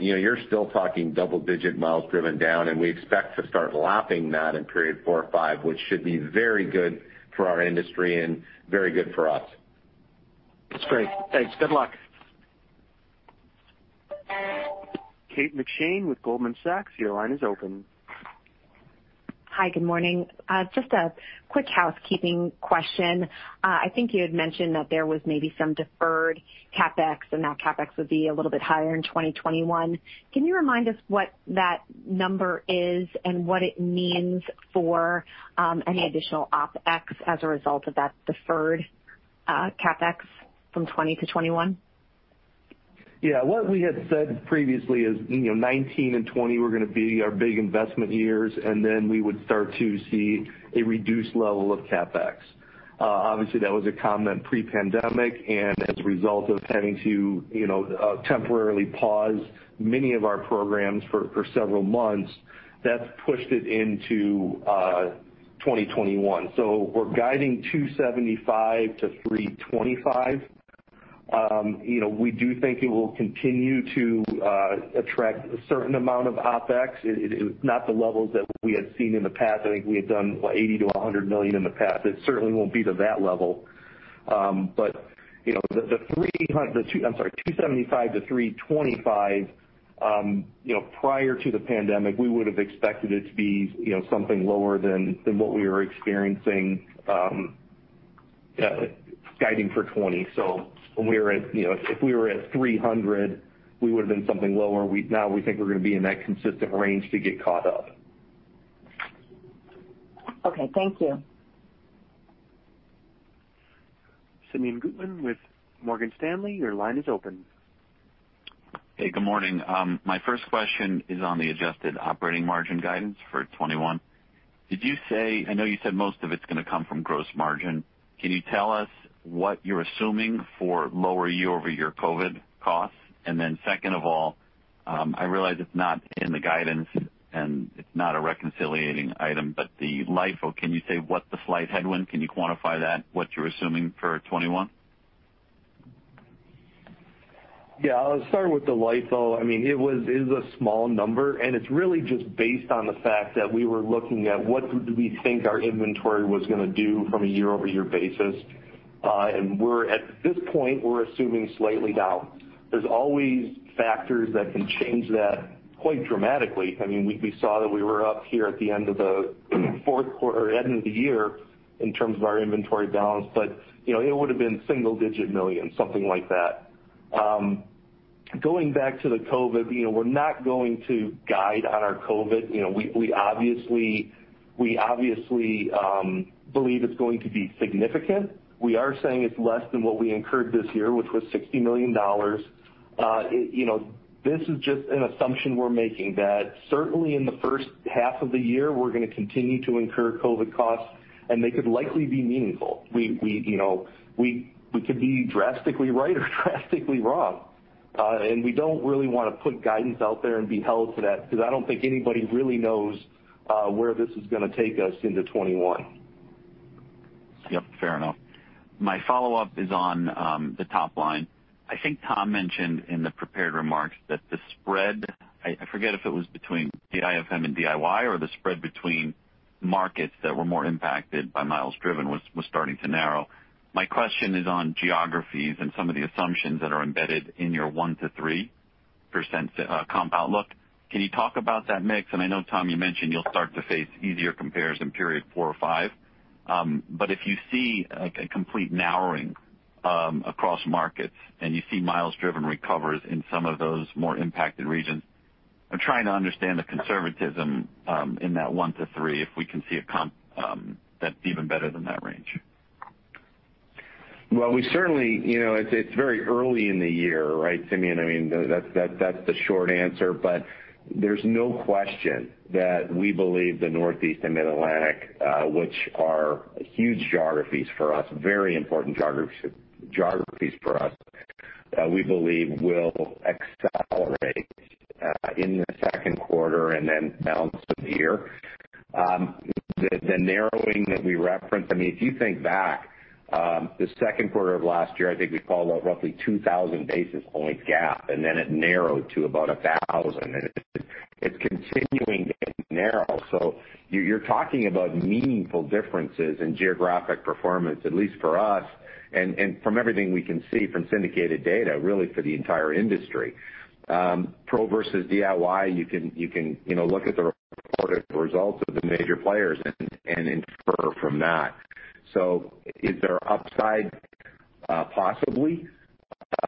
C: you're still talking double-digit miles driven down, and we expect to start lapping that in period four or five, which should be very good for our industry and very good for us.
J: That's great. Thanks. Good luck.
A: Kate McShane with Goldman Sachs, your line is open.
K: Hi, good morning. Just a quick housekeeping question. I think you had mentioned that there was maybe some deferred CapEx and that CapEx would be a little bit higher in 2021. Can you remind us what that number is and what it means for any additional OpEx as a result of that deferred CapEx from 2020 to 2021?
D: Yeah. What we had said previously is, 2019 and 2020 were going to be our big investment years, and then we would start to see a reduced level of CapEx. Obviously, that was a comment pre-pandemic, and as a result of having to temporarily pause many of our programs for several months, that's pushed it into 2021. We're guiding $275 million-$325 million. We do think it will continue to attract a certain amount of OpEx. It is not the levels that we had seen in the past. I think we had done $80 million-$100 million in the past. It certainly won't be to that level. The $300 million, I'm sorry, $275 million-$325 million, prior to the pandemic, we would have expected it to be something lower than what we were experiencing guiding for 2020. If we were at $300 million, we would have been something lower. Now we think we're going to be in that consistent range to get caught up.
K: Okay. Thank you.
A: Simeon Gutman with Morgan Stanley, your line is open.
L: Hey, good morning. My first question is on the adjusted operating margin guidance for 2021. I know you said most of it's going to come from gross margin. Can you tell us what you're assuming for lower year-over-year COVID costs? Then second of all, I realize it's not in the guidance and it's not a reconciling item, but the LIFO, can you say what the slight headwind, can you quantify that, what you're assuming for 2021?
D: I'll start with the LIFO. It is a small number, and it's really just based on the fact that we were looking at what do we think our inventory was going to do from a year-over-year basis. At this point, we're assuming slightly down. There's always factors that can change that quite dramatically. We saw that we were up here at the end of the year in terms of our inventory balance, but it would have been single-digit million, something like that. Going back to the COVID, we're not going to guide on our COVID. We obviously believe it's going to be significant. We are saying it's less than what we incurred this year, which was $60 million. This is just an assumption we're making that certainly in the first half of the year, we're going to continue to incur COVID costs, and they could likely be meaningful. We could be drastically right or drastically wrong. We don't really want to put guidance out there and be held to that, because I don't think anybody really knows where this is going to take us into 2021.
L: Yep, fair enough. My follow-up is on the top line. I think Tom mentioned in the prepared remarks that the spread, I forget if it was between DIFM and DIY or the spread between markets that were more impacted by miles driven was starting to narrow. My question is on geographies and some of the assumptions that are embedded in your 1%-3% compound outlook. Can you talk about that mix? I know, Tom, you mentioned you'll start to face easier compares in period four or five. If you see a complete narrowing across markets, and you see miles driven recovers in some of those more impacted regions, I'm trying to understand the conservatism in that 1%-3% if we can see a comp that's even better than that range.
C: It's very early in the year, right, Simeon? That's the short answer, but there's no question that we believe the Northeast and Mid-Atlantic, which are huge geographies for us, very important geographies for us, we believe will accelerate in the second quarter and then balance of the year. The narrowing that we referenced, if you think back, the second quarter of last year, I think we called out roughly 2,000 basis points gap, and then it narrowed to about 1,000. It's continuing to narrow. You're talking about meaningful differences in geographic performance, at least for us, and from everything we can see from syndicated data, really for the entire industry. Pro versus DIY, you can look at the reported results of the major players and infer from that. Is there upside? Possibly.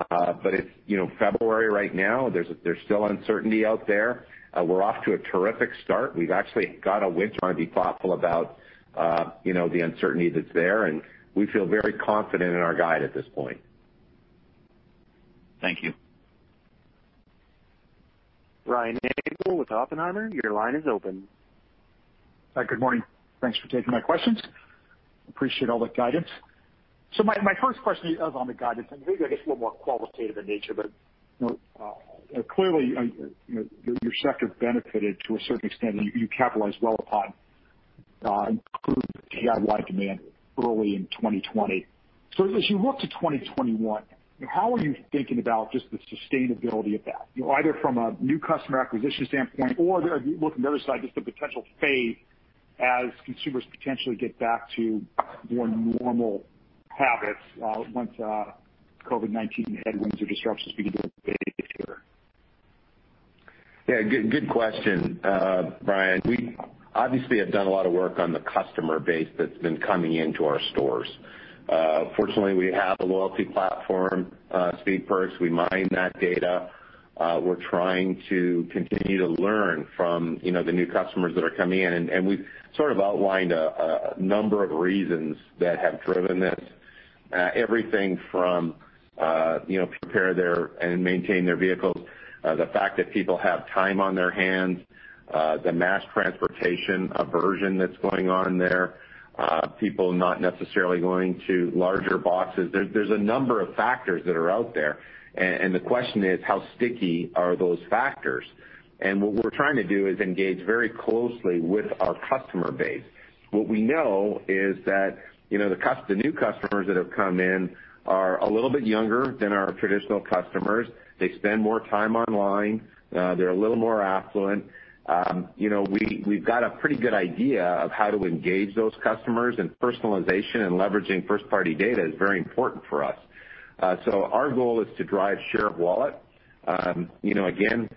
C: It's February right now. There's still uncertainty out there. We're off to a terrific start. We've actually got a win, trying to be thoughtful about the uncertainty that's there, and we feel very confident in our guide at this point.
L: Thank you.
A: Brian Nagel with Oppenheimer, your line is open.
M: Hi. Good morning. Thanks for taking my questions. Appreciate all the guidance. My first question is on the guidance, and maybe I guess a little more qualitative in nature, but clearly, your sector benefited to a certain extent, and you capitalized well upon improved DIY demand early in 2020. As you look to 2021, how are you thinking about just the sustainability of that, either from a new customer acquisition standpoint or looking at the other side, just the potential fade as consumers potentially get back to more normal habits once COVID-19 headwinds or disruptions begin to abate here?
C: Yeah, good question, Brian. We obviously have done a lot of work on the customer base that's been coming into our stores. Fortunately, we have a loyalty platform, Speed Perks. We mine that data. We're trying to continue to learn from the new customers that are coming in, and we've sort of outlined a number of reasons that have driven this. Everything from prepare and maintain their vehicles, the fact that people have time on their hands, the mass transportation aversion that's going on there, people not necessarily going to larger boxes. There's a number of factors that are out there, and the question is, how sticky are those factors? What we're trying to do is engage very closely with our customer base. What we know is that the new customers that have come in are a little bit younger than our traditional customers. They spend more time online. They're a little more affluent. We've got a pretty good idea of how to engage those customers. Personalization and leveraging first-party data is very important for us. Our goal is to drive share of wallet. Again,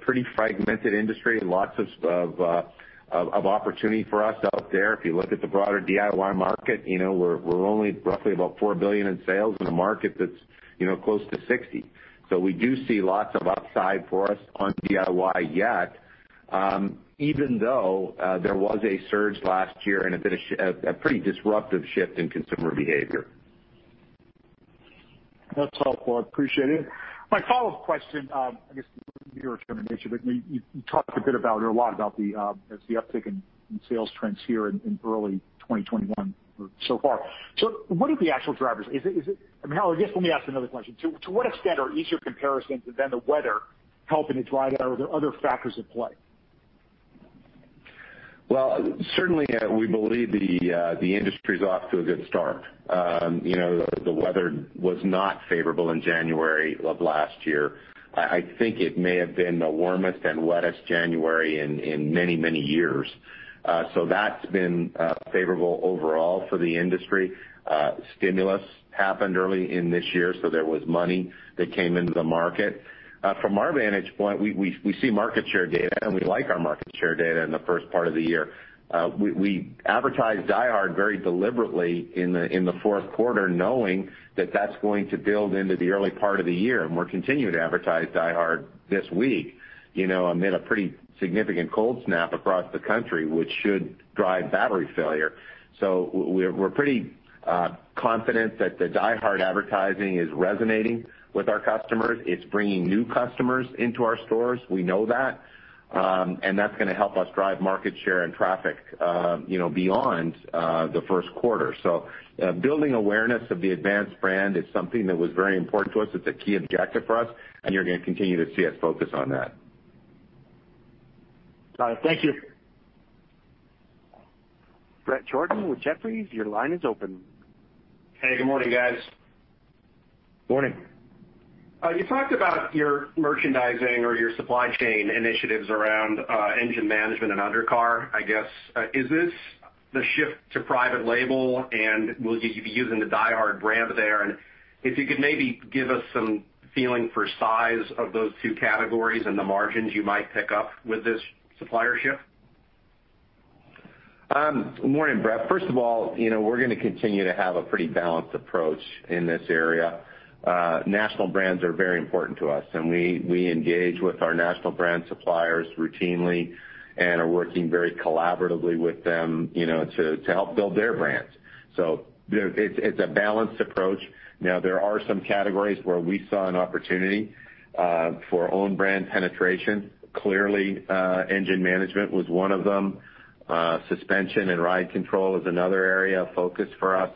C: pretty fragmented industry, lots of opportunity for us out there. If you look at the broader DIY market, we're only roughly about $4 billion in sales in a market that's close to $60 billion. We do see lots of upside for us on DIY yet, even though there was a surge last year and a pretty disruptive shift in consumer behavior.
M: That's helpful. I appreciate it. My follow-up question, I guess a little bit nearer to your nature, but you talked a bit about or a lot about the uptick in sales trends here in early 2021 so far. What are the actual drivers? I guess let me ask another question. To what extent are easier comparisons and then the weather helping to drive that, or are there other factors at play?
C: Well, certainly, we believe the industry's off to a good start. The weather was not favorable in January of last year. I think it may have been the warmest and wettest January in many, many years. That's been favorable overall for the industry. Stimulus happened early in this year, so there was money that came into the market. From our vantage point, we see market share data, and we like our market share data in the first part of the year. We advertised DieHard very deliberately in the fourth quarter, knowing that that's going to build into the early part of the year, and we're continuing to advertise DieHard this week amid a pretty significant cold snap across the country, which should drive battery failure. We're pretty confident that the DieHard advertising is resonating with our customers. It's bringing new customers into our stores. We know that. That's going to help us drive market share and traffic beyond the first quarter. Building awareness of the Advance brand is something that was very important to us. It's a key objective for us, and you're going to continue to see us focus on that.
M: Got it. Thank you.
A: Bret Jordan with Jefferies, your line is open.
N: Hey, good morning, guys.
C: Morning.
N: You talked about your merchandising or your supply chain initiatives around engine management and undercar, I guess. Is this the shift to private label, and will you be using the DieHard brand there? If you could maybe give us some feeling for size of those two categories and the margins you might pick up with this supplier shift.
C: Morning, Bret. First of all, we're going to continue to have a pretty balanced approach in this area. National brands are very important to us, and we engage with our national brand suppliers routinely and are working very collaboratively with them to help build their brands. It's a balanced approach. There are some categories where we saw an opportunity for own brand penetration. Clearly, engine management was one of them. Suspension and ride control is another area of focus for us.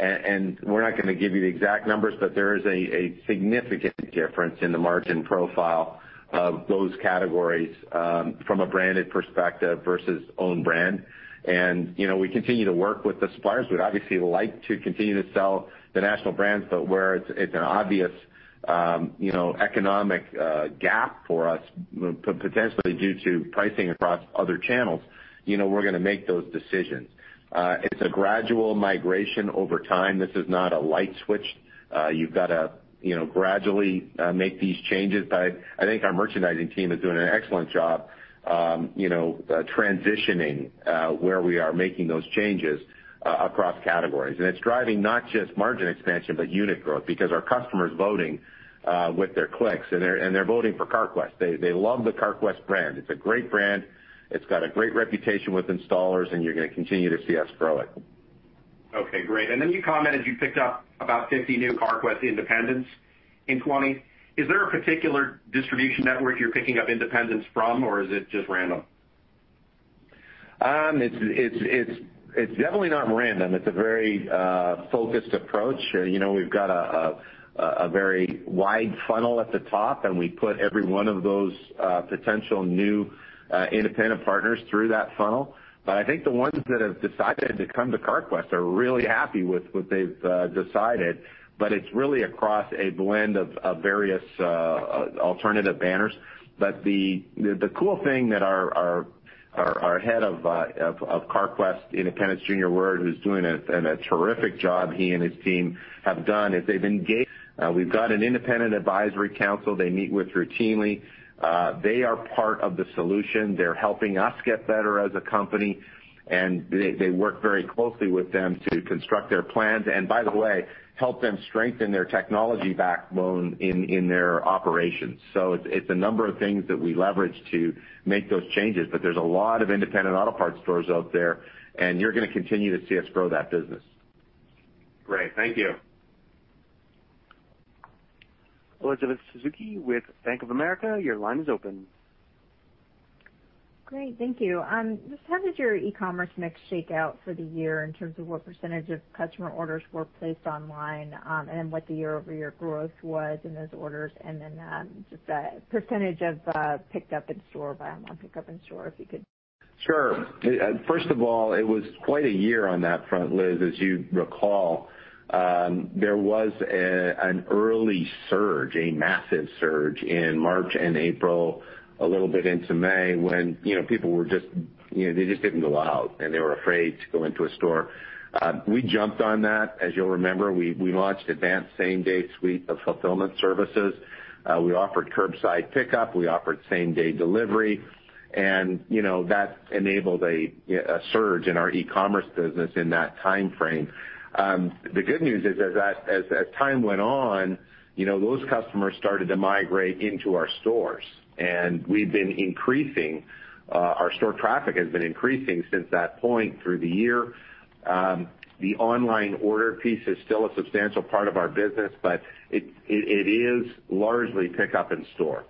C: We're not going to give you the exact numbers, but there is a significant difference in the margin profile of those categories from a branded perspective versus own brand. We continue to work with the suppliers. We'd obviously like to continue to sell the national brands, but where it's an obvious economic gap for us, potentially due to pricing across other channels, we're going to make those decisions. It's a gradual migration over time. This is not a light switch. You've got to gradually make these changes, but I think our merchandising team is doing an excellent job transitioning where we are making those changes across categories. It's driving not just margin expansion, but unit growth because our customer's voting with their clicks, and they're voting for Carquest. They love the Carquest brand. It's a great brand. It's got a great reputation with installers, and you're going to continue to see us grow it.
N: Okay, great. You commented you picked up about 50 new Carquest independents in 2020. Is there a particular distribution network you're picking up independents from, or is it just random?
C: It's definitely not random. It's a very focused approach. We've got a very wide funnel at the top, and we put every one of those potential new independent partners through that funnel. I think the ones that have decided to come to Carquest are really happy with what they've decided. It's really across a blend of various alternative banners. The cool thing that our Head of Carquest independents, Junior Word, who's doing a terrific job, he and his team have done, is they've engaged. We've got an independent advisory council they meet with routinely. They are part of the solution. They're helping us get better as a company, and they work very closely with them to construct their plans, and by the way, help them strengthen their technology backbone in their operations. It's a number of things that we leverage to make those changes, but there's a lot of independent auto parts stores out there, and you're going to continue to see us grow that business.
N: Great. Thank you.
A: Elizabeth Suzuki with Bank of America, your line is open.
O: Great. Thank you. Just how did your e-commerce mix shake out for the year in terms of what percentage of customer orders were placed online, and what the year-over-year growth was in those orders? Then just the percentage of picked up in store buy online pick up in store, if you could.
C: Sure. First of all, it was quite a year on that front, Elizabeth. As you recall, there was an early surge, a massive surge in March and April, a little bit into May when people were They just didn't go out, and they were afraid to go into a store. We jumped on that. As you'll remember, we launched Advance Same Day suite of fulfillment services. We offered curbside pickup. We offered same-day delivery, and that enabled a surge in our e-commerce business in that timeframe. The good news is as time went on, those customers started to migrate into our stores, and Our store traffic has been increasing since that point through the year. The online order piece is still a substantial part of our business, but it is largely pick up in store.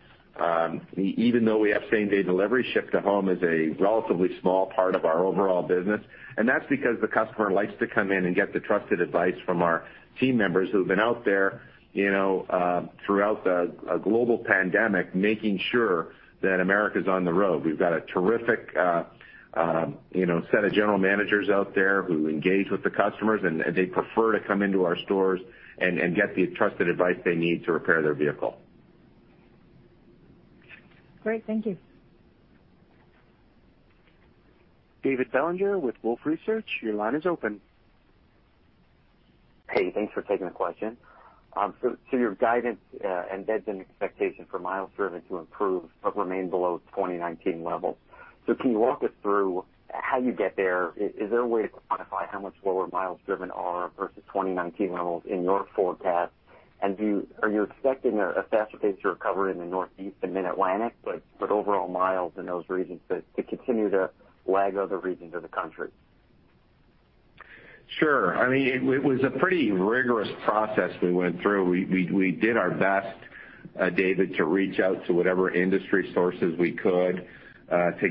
C: Even though we have same-day delivery, ship to home is a relatively small part of our overall business. That's because the customer likes to come in and get the trusted advice from our team members who've been out there throughout the global pandemic, making sure that America's on the road. We've got a terrific set of general managers out there who engage with the customers. They prefer to come into our stores and get the trusted advice they need to repair their vehicle.
O: Great. Thank you.
A: David Bellinger with Wolfe Research. Your line is open.
P: Hey, thanks for taking the question. Your guidance embeds an expectation for miles driven to improve but remain below 2019 levels. Can you walk us through how you get there? Is there a way to quantify how much lower miles driven are versus 2019 levels in your forecast? Are you expecting a faster pace to recover in the Northeast and Mid-Atlantic, but overall miles in those regions to continue to lag other regions of the country?
C: Sure. It was a pretty rigorous process we went through. We did our best, David, to reach out to whatever industry sources we could, to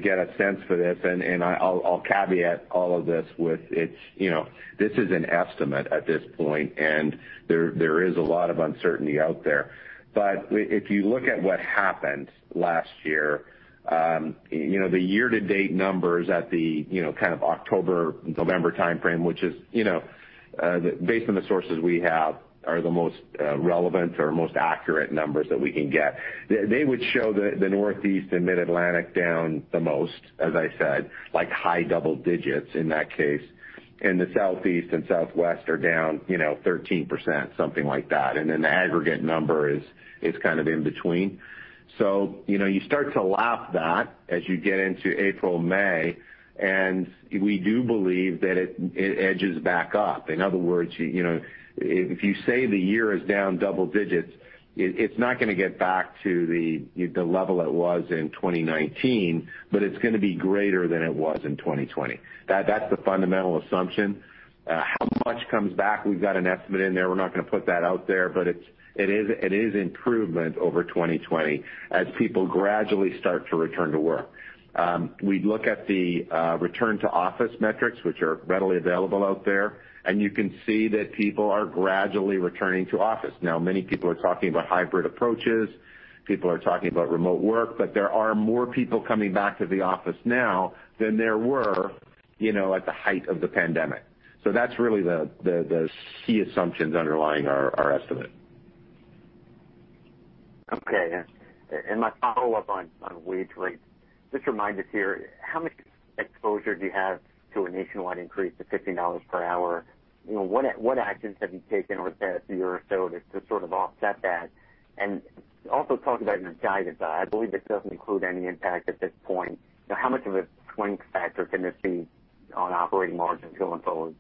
C: get a sense for this. I'll caveat all of this with, this is an estimate at this point, and there is a lot of uncertainty out there. If you look at what happened last year, the year-to-date numbers at the October, November timeframe, which is, based on the sources we have, are the most relevant or most accurate numbers that we can get. They would show the Northeast and Mid-Atlantic down the most, as I said, like high-double-digits in that case. The Southeast and Southwest are down 13%, something like that. The aggregate number is kind of in between. You start to lap that as you get into April, May, and we do believe that it edges back up. In other words, if you say the year is down double-digits, it's not going to get back to the level it was in 2019, but it's going to be greater than it was in 2020. That's the fundamental assumption. How much comes back? We've got an estimate in there. We're not going to put that out there, but it is improvement over 2020 as people gradually start to return to work. We look at the return-to-office metrics, which are readily available out there, and you can see that people are gradually returning to office. Now, many people are talking about hybrid approaches. People are talking about remote work, but there are more people coming back to the office now than there were at the height of the pandemic. That's really the key assumptions underlying our estimate.
P: Okay. My follow-up on wage rates. Just remind us here, how much exposure do you have to a nationwide increase to $15 per hour? What actions have you taken over the past year or so to sort of offset that? Also talk about in your guidance. I believe this doesn't include any impact at this point. How much of a swing factor can this be on operating margins going forward?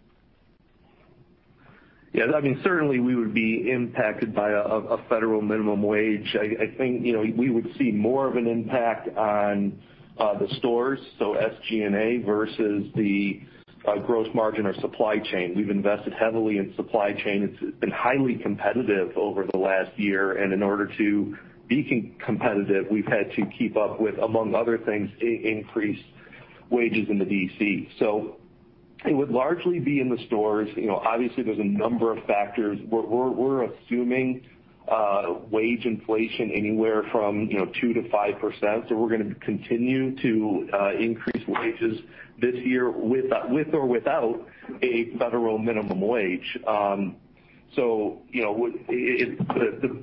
C: Certainly we would be impacted by a federal minimum wage. I think we would see more of an impact on the stores, so SG&A versus the gross margin or supply chain. We've invested heavily in supply chain. It's been highly competitive over the last one year, and in order to be competitive, we've had to keep up with, among other things, increased wages in the DC. It would largely be in the stores. Obviously, there's a number of factors. We're assuming wage inflation anywhere from 2%-5%, we're going to continue to increase wages this year with or without a federal minimum wage. The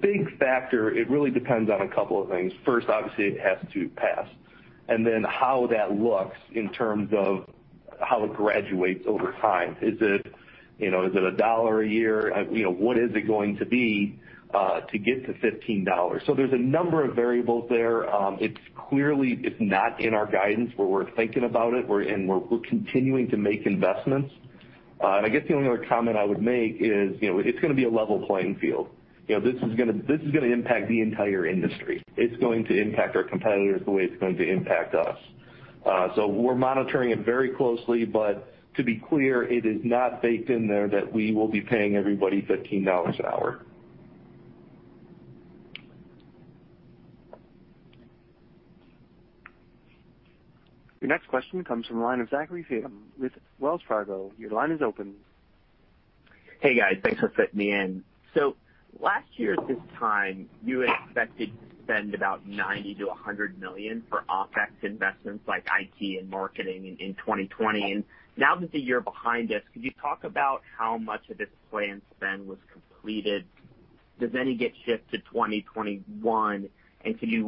C: big factor, it really depends on a couple of things. First, obviously, it has to pass. Then how that looks in terms of how it graduates over time. Is it $1 a year? What is it going to be to get to $15? There's a number of variables there. It's clearly not in our guidance, but we're thinking about it and we're continuing to make investments. I guess the only other comment I would make is it's going to be a level playing field. This is going to impact the entire industry. It's going to impact our competitors the way it's going to impact us. We're monitoring it very closely, but to be clear, it is not baked in there that we will be paying everybody $15 an hour.
A: Your next question comes from the line of Zachary Fadem with Wells Fargo. Your line is open.
Q: Hey, guys. Thanks for fitting me in. Last year at this time, you had expected to spend about $90 million-$100 million for OpEx investments like IT and marketing in 2020. Now that the year behind us, could you talk about how much of this planned spend was completed? Did any get shifted to 2021? Can you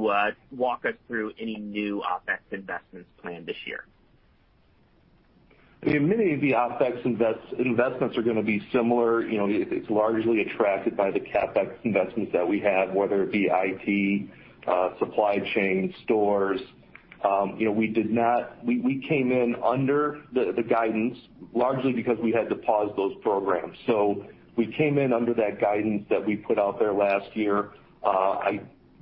Q: walk us through any new OpEx investments planned this year?
D: Many of the OpEx investments are going to be similar. It's largely attracted by the CapEx investments that we have, whether it be IT, supply chain, stores. We came in under the guidance largely because we had to pause those programs. We came in under that guidance that we put out there last year.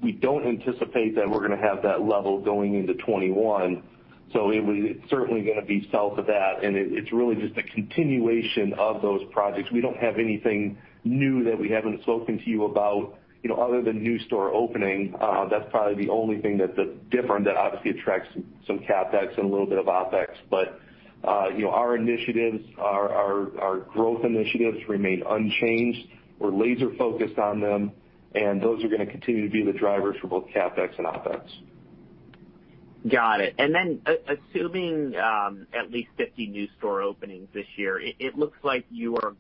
D: We don't anticipate that we're going to have that level going into 2021. It's certainly going to be south of that, and it's really just a continuation of those projects. We don't have anything new that we haven't spoken to you about other than new store opening. That's probably the only thing that's different that obviously attracts some CapEx and a little bit of OpEx. Our initiatives, our growth initiatives remain unchanged. We're laser-focused on them, and those are going to continue to be the drivers for both CapEx and OpEx.
Q: Got it. Assuming at least 50 new store openings this year, it looks like you are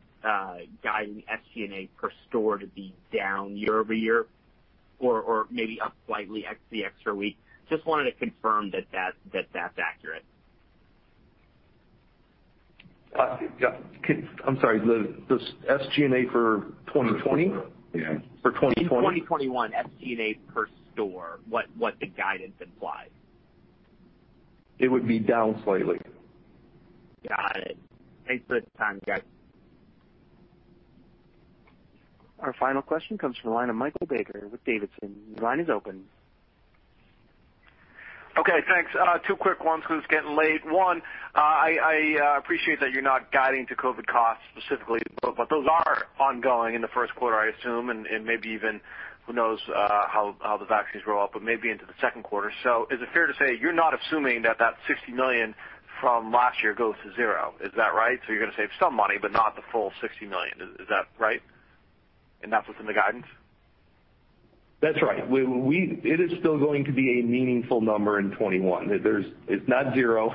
Q: guiding SG&A per store to be down year-over-year, or maybe up slightly at the extra week. Just wanted to confirm that that's accurate.
D: I'm sorry, the SG&A for 2020?
C: Yeah. For 2020.
Q: In 2021, SG&A per store, what the guidance implies.
D: It would be down slightly.
Q: Got it. Thanks for the time, guys.
A: Our final question comes from the line of Michael Baker with Davidson. Your line is open.
R: Okay, thanks. Two quick ones because it's getting late. One, I appreciate that you're not guiding to COVID costs specifically, but those are ongoing in the first quarter, I assume, and maybe even, who knows how the vaccines roll out, but maybe into the second quarter. Is it fair to say you're not assuming that $60 million from last year goes to zero? Is that right? You're going to save some money, but not the full $60 million. Is that right? That's what's in the guidance?
D: That's right. It is still going to be a meaningful number in 2021. It's not zero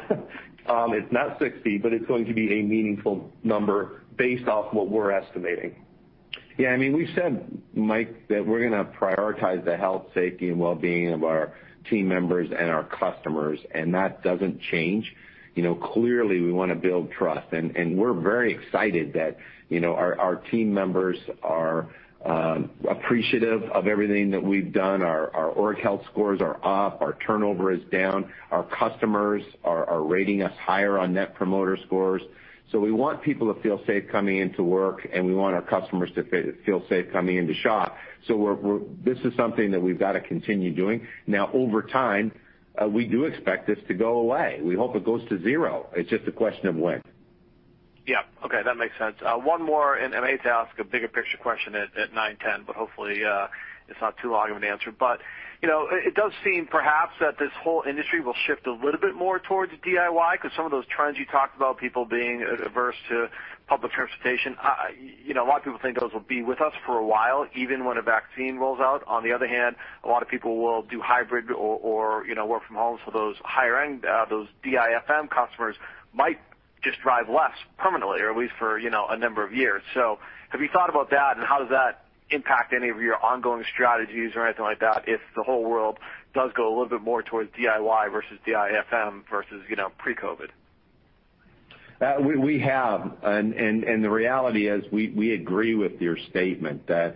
D: it's not $60 million, but it's going to be a meaningful number based off what we're estimating.
C: Yeah, we said, Mike, that we're going to prioritize the health, safety, and wellbeing of our team members and our customers, and that doesn't change. Clearly, we want to build trust, and we're very excited that our team members are appreciative of everything that we've done. Our org health scores are up. Our turnover is down. Our customers are rating us higher on Net Promoter Scores. We want people to feel safe coming into work, and we want our customers to feel safe coming in to shop. This is something that we've got to continue doing. Over time, we do expect this to go away. We hope it goes to zero. It's just a question of when.
R: Yeah. Okay. That makes sense. One more. I hate to ask a bigger picture question at 9:10, hopefully, it's not too long of an answer. It does seem perhaps that this whole industry will shift a little bit more towards DIY because some of those trends you talked about, people being averse to public transportation, a lot of people think those will be with us for a while, even when a vaccine rolls out. On the other hand, a lot of people will do hybrid or work from home. Those higher-end, those DIFM customers might just drive less permanently, or at least for a number of years. Have you thought about that, and how does that impact any of your ongoing strategies or anything like that if the whole world does go a little bit more towards DIY versus DIFM versus pre-COVID?
C: We have, and the reality is we agree with your statement that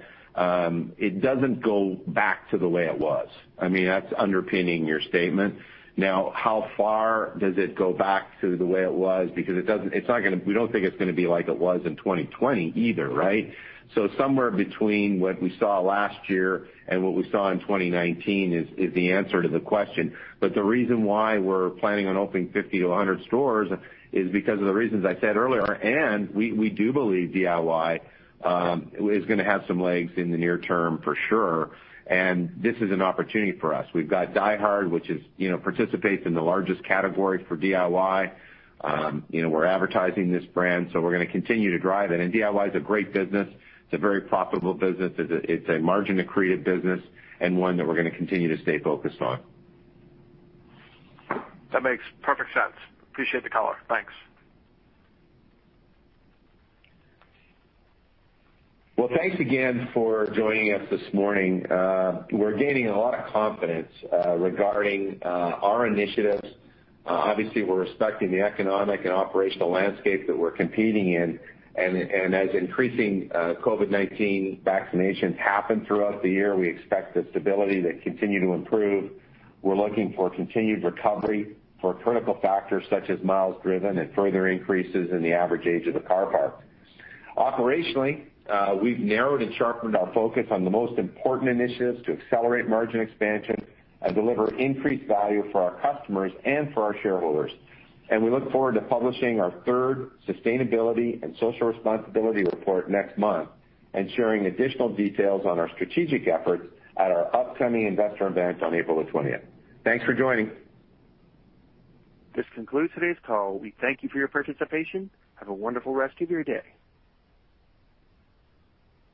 C: it doesn't go back to the way it was. That's underpinning your statement. How far does it go back to the way it was? We don't think it's going to be like it was in 2020 either, right? Somewhere between what we saw last year and what we saw in 2019 is the answer to the question. The reason why we're planning on opening 50-100 stores is because of the reasons I said earlier, and we do believe DIY is going to have some legs in the near term for sure, and this is an opportunity for us. We've got DieHard, which participates in the largest category for DIY. We're advertising this brand, so we're going to continue to drive it, and DIY is a great business. It's a very profitable business. It's a margin-accretive business and one that we're going to continue to stay focused on.
R: That makes perfect sense. Appreciate the color. Thanks.
C: Well, thanks again for joining us this morning. We're gaining a lot of confidence regarding our initiatives. Obviously, we're respecting the economic and operational landscape that we're competing in, and as increasing COVID-19 vaccinations happen throughout the year, we expect the stability to continue to improve. We're looking for continued recovery for critical factors such as miles driven and further increases in the average age of the car parc. Operationally, we've narrowed and sharpened our focus on the most important initiatives to accelerate margin expansion and deliver increased value for our customers and for our shareholders. We look forward to publishing our third sustainability and social responsibility report next month and sharing additional details on our strategic efforts at our upcoming investor event on April the 20th. Thanks for joining.
A: This concludes today's call. We thank you for your participation. Have a wonderful rest of your day.